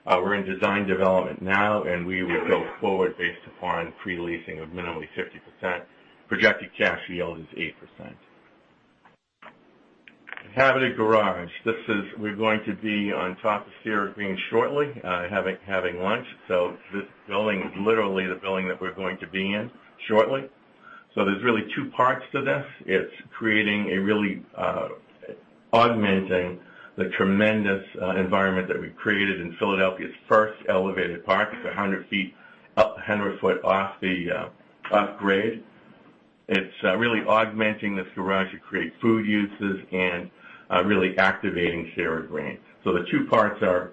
We're in design development now, and we would go forward based upon pre-leasing of minimally 50%. Projected cash yield is 8%. Habitable Garage. We're going to be on top of Cira Green shortly, having lunch. This building is literally the building that we're going to be in shortly. There's really two parts to this. It's creating a really augmenting the tremendous environment that we've created in Philadelphia's first elevated park. It's 100 feet off grade. It's really augmenting this garage to create food uses and really activating Cira Green. The two parts are,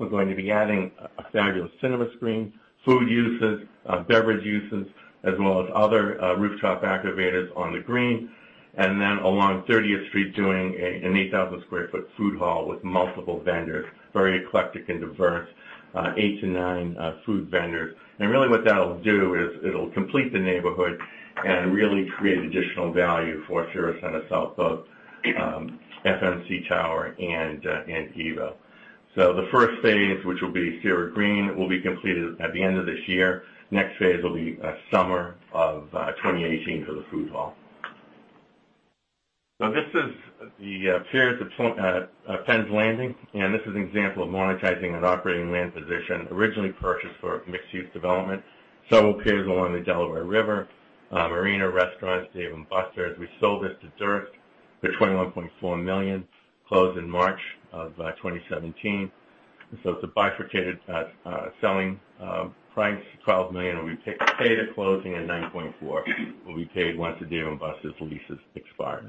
we're going to be adding a fabulous cinema screen, food uses, beverage uses, as well as other rooftop activators on the green. Along 30th Street, doing an 8,000 sq ft food hall with multiple vendors, very eclectic and diverse, eight to nine food vendors. Really what that'll do is it'll complete the neighborhood and really create additional value for Cira Centre South, both FMC Tower and Evo. The first phase, which will be Cira Green, will be completed at the end of this year. Next phase will be summer of 2018 for the food hall. This is the Piers at Penn's Landing, this is an example of monetizing an operating land position originally purchased for mixed-use development. Several piers along the Delaware River, a marina, restaurants, Dave & Buster's. We sold this to Durst for $21.4 million, closed in March of 2017. It's a bifurcated selling price. $12 million will be paid at closing, and $9.4 million will be paid once the Dave & Buster's leases expire.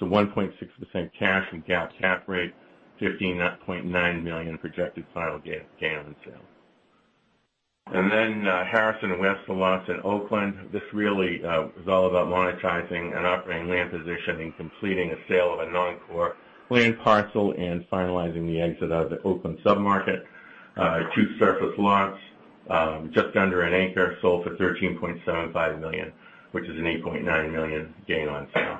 1.6% cash on cap rate, $15.9 million projected final gain on sale. Harrison West Lots at Oakland. This really was all about monetizing an operating land position and completing a sale of a non-core land parcel and finalizing the exit out of the Oakland sub-market. Two surface lots, just under an acre, sold for $13.75 million, which is an $8.9 million gain on sale.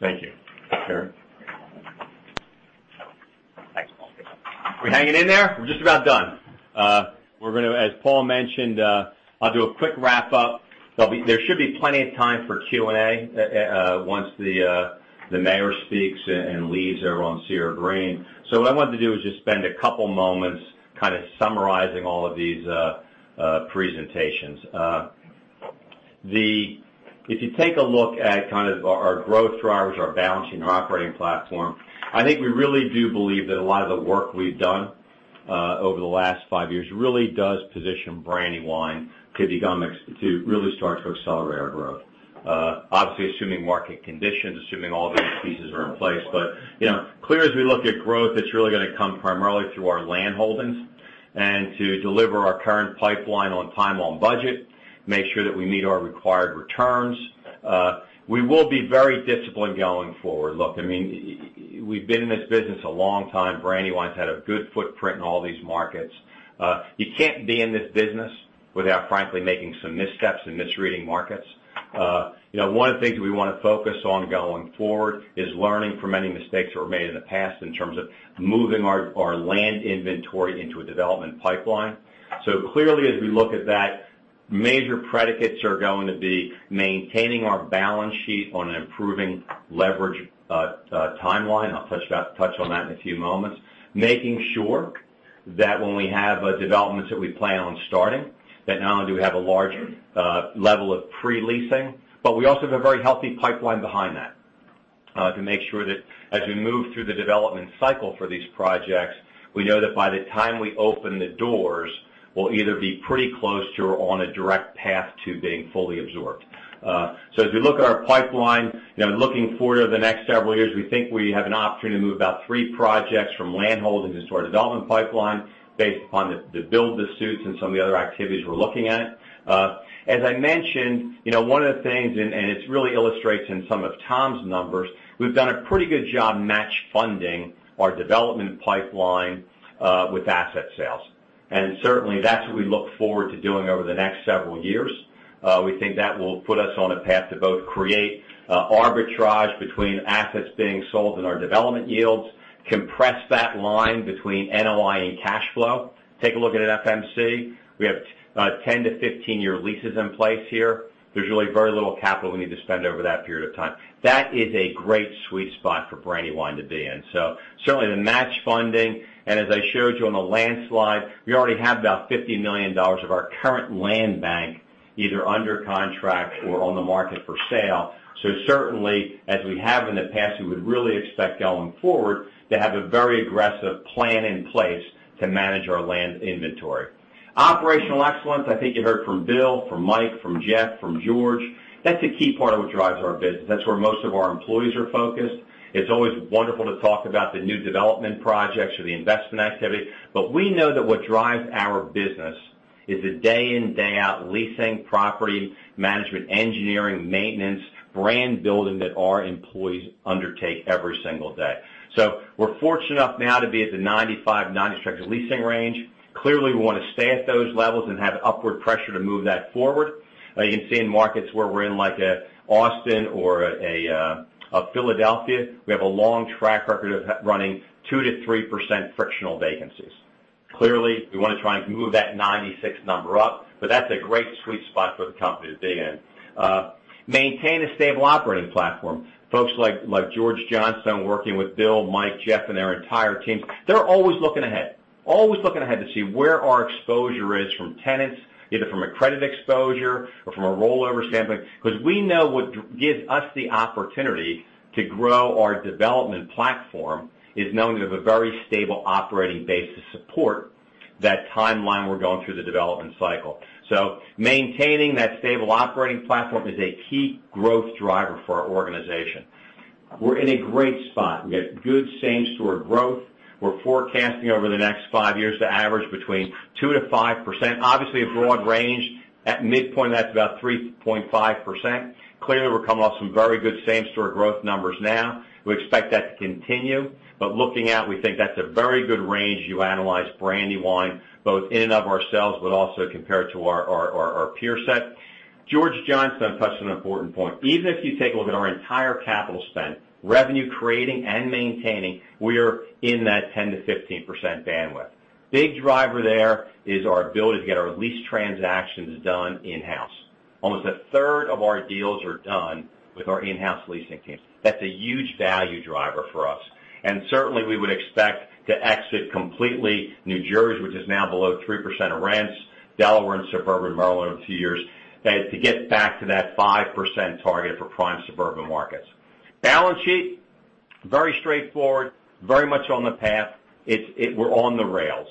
Thank you. Jerry? Thanks, Paul. We hanging in there? We're just about done. As Paul mentioned, I'll do a quick wrap up. There should be plenty of time for Q&A once the mayor speaks and leaves everyone on Cira Green. What I wanted to do is just spend a couple of moments kind of summarizing all of these presentations. If you take a look at kind of our growth drivers, our balancing, our operating platform, I think we really do believe that a lot of the work we've done over the last five years really does position Brandywine to really start to accelerate our growth. Obviously, assuming market conditions, assuming all the right pieces are in place. Clear as we look at growth, it's really going to come primarily through our land holdings. To deliver our current pipeline on time, on budget, make sure that we meet our required returns. We will be very disciplined going forward. Look, we've been in this business a long time. Brandywine's had a good footprint in all these markets. You can't be in this business without frankly making some missteps and misreading markets. One of the things we want to focus on going forward is learning from any mistakes that were made in the past in terms of moving our land inventory into a development pipeline. Clearly, as we look at that, major predicates are going to be maintaining our balance sheet on an improving leverage timeline. I'll touch on that in a few moments. Making sure that when we have developments that we plan on starting, that not only do we have a large level of pre-leasing, but we also have a very healthy pipeline behind that to make sure that as we move through the development cycle for these projects, we know that by the time we open the doors, we'll either be pretty close to or on a direct path to being fully absorbed. As we look at our pipeline, looking forward over the next several years, we think we have an opportunity to move about three projects from land holdings into our development pipeline based upon the build-to-suits and some of the other activities we're looking at. As I mentioned, one of the things, and it really illustrates in some of Tom's numbers, we've done a pretty good job match funding our development pipeline with asset sales. Certainly, that's what we look forward to doing over the next several years. We think that will put us on a path to both create arbitrage between assets being sold and our development yields, compress that line between NOI and cash flow. Take a look at an FMC. We have 10-15 year leases in place here. There's really very little capital we need to spend over that period of time. That is a great sweet spot for Brandywine to be in. Certainly, the match funding, and as I showed you on the land slide, we already have about $50 million of our current land bank either under contract or on the market for sale. Certainly, as we have in the past, we would really expect going forward to have a very aggressive plan in place to manage our land inventory. Operational excellence, I think you heard from Bill, from Mike, from Jeff, from George. That's a key part of what drives our business. That's where most of our employees are focused. It's always wonderful to talk about the new development projects or the investment activity, but we know that what drives our business is the day in, day out leasing, property management, engineering, maintenance, brand building that our employees undertake every single day. We're fortunate enough now to be at the 95, 96 leasing range. Clearly, we want to stay at those levels and have upward pressure to move that forward. You can see in markets where we're in, like Austin or Philadelphia, we have a long track record of running 2%-3% frictional vacancies. Clearly, we want to try and move that 96 number up, but that's a great sweet spot for the company to be in. Maintain a stable operating platform. Folks like George D. Johnstone working with Bill, Mike, Jeff, and their entire teams, they're always looking ahead. Always looking ahead to see where our exposure is from tenants, either from a credit exposure or from a rollover standpoint. Because we know what gives us the opportunity to grow our development platform is knowing there's a very stable operating base to support that timeline we're going through the development cycle. Maintaining that stable operating platform is a key growth driver for our organization. We're in a great spot. We have good same-store growth. We're forecasting over the next five years to average between 2%-5%. Obviously, a broad range. At midpoint, that's about 3.5%. Clearly, we're coming off some very good same-store growth numbers now. We expect that to continue. Looking out, we think that's a very good range as you analyze Brandywine, both in and of ourselves, but also compared to our peer set. George D. Johnstone touched on an important point. Even if you take a look at our entire capital spend, revenue creating and maintaining, we're in that 10%-15% bandwidth. Big driver there is our ability to get our lease transactions done in-house. Almost a third of our deals are done with our in-house leasing teams. That's a huge value driver for us. Certainly, we would expect to exit completely New Jersey, which is now below 3% of rents, Delaware, and suburban Maryland in two years, to get back to that 5% target for prime suburban markets. Balance sheet, very straightforward, very much on the path. We're on the rails.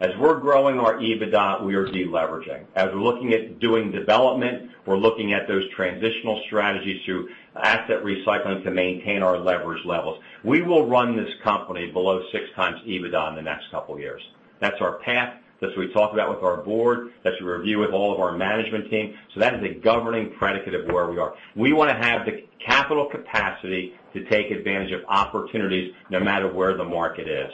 As we're growing our EBITDA, we are de-leveraging. As we're looking at doing development, we're looking at those transitional strategies through asset recycling to maintain our leverage levels. We will run this company below six times EBITDA in the next couple of years. That's our path. That's what we talk about with our board. That's a review with all of our management team. That is a governing predicate of where we are. We want to have the capital capacity to take advantage of opportunities no matter where the market is.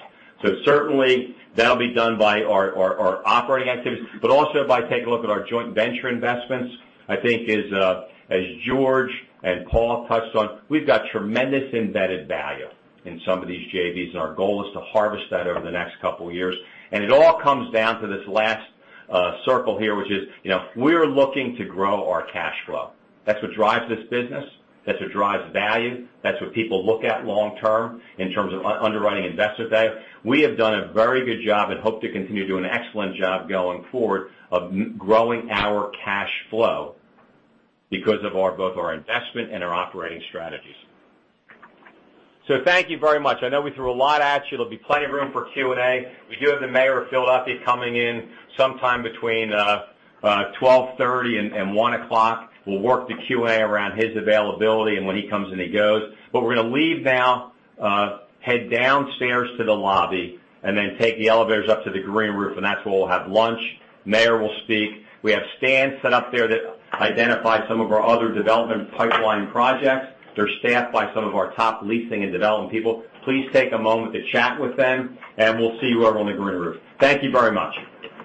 Certainly, that'll be done by our operating activities, but also by taking a look at our joint venture investments. I think as George and Paul touched on, we've got tremendous embedded value in some of these JVs, and our goal is to harvest that over the next couple of years. It all comes down to this last circle here, which is we're looking to grow our cash flow. That's what drives this business. That's what drives value. That's what people look at long term in terms of underwriting investor value. We have done a very good job and hope to continue to do an excellent job going forward of growing our cash flow because of both our investment and our operating strategies. Thank you very much. I know we threw a lot at you. There'll be plenty of room for Q&A. We do have the mayor of Philadelphia coming in sometime between 12:30 and 1:00. We'll work the Q&A around his availability and when he comes and he goes. We're going to leave now, head downstairs to the lobby, and then take the elevators up to the green roof, and that's where we'll have lunch. Mayor will speak. We have stands set up there that identify some of our other development pipeline projects. They're staffed by some of our top leasing and development people. Please take a moment to chat with them, and we'll see you over on the green roof. Thank you very much.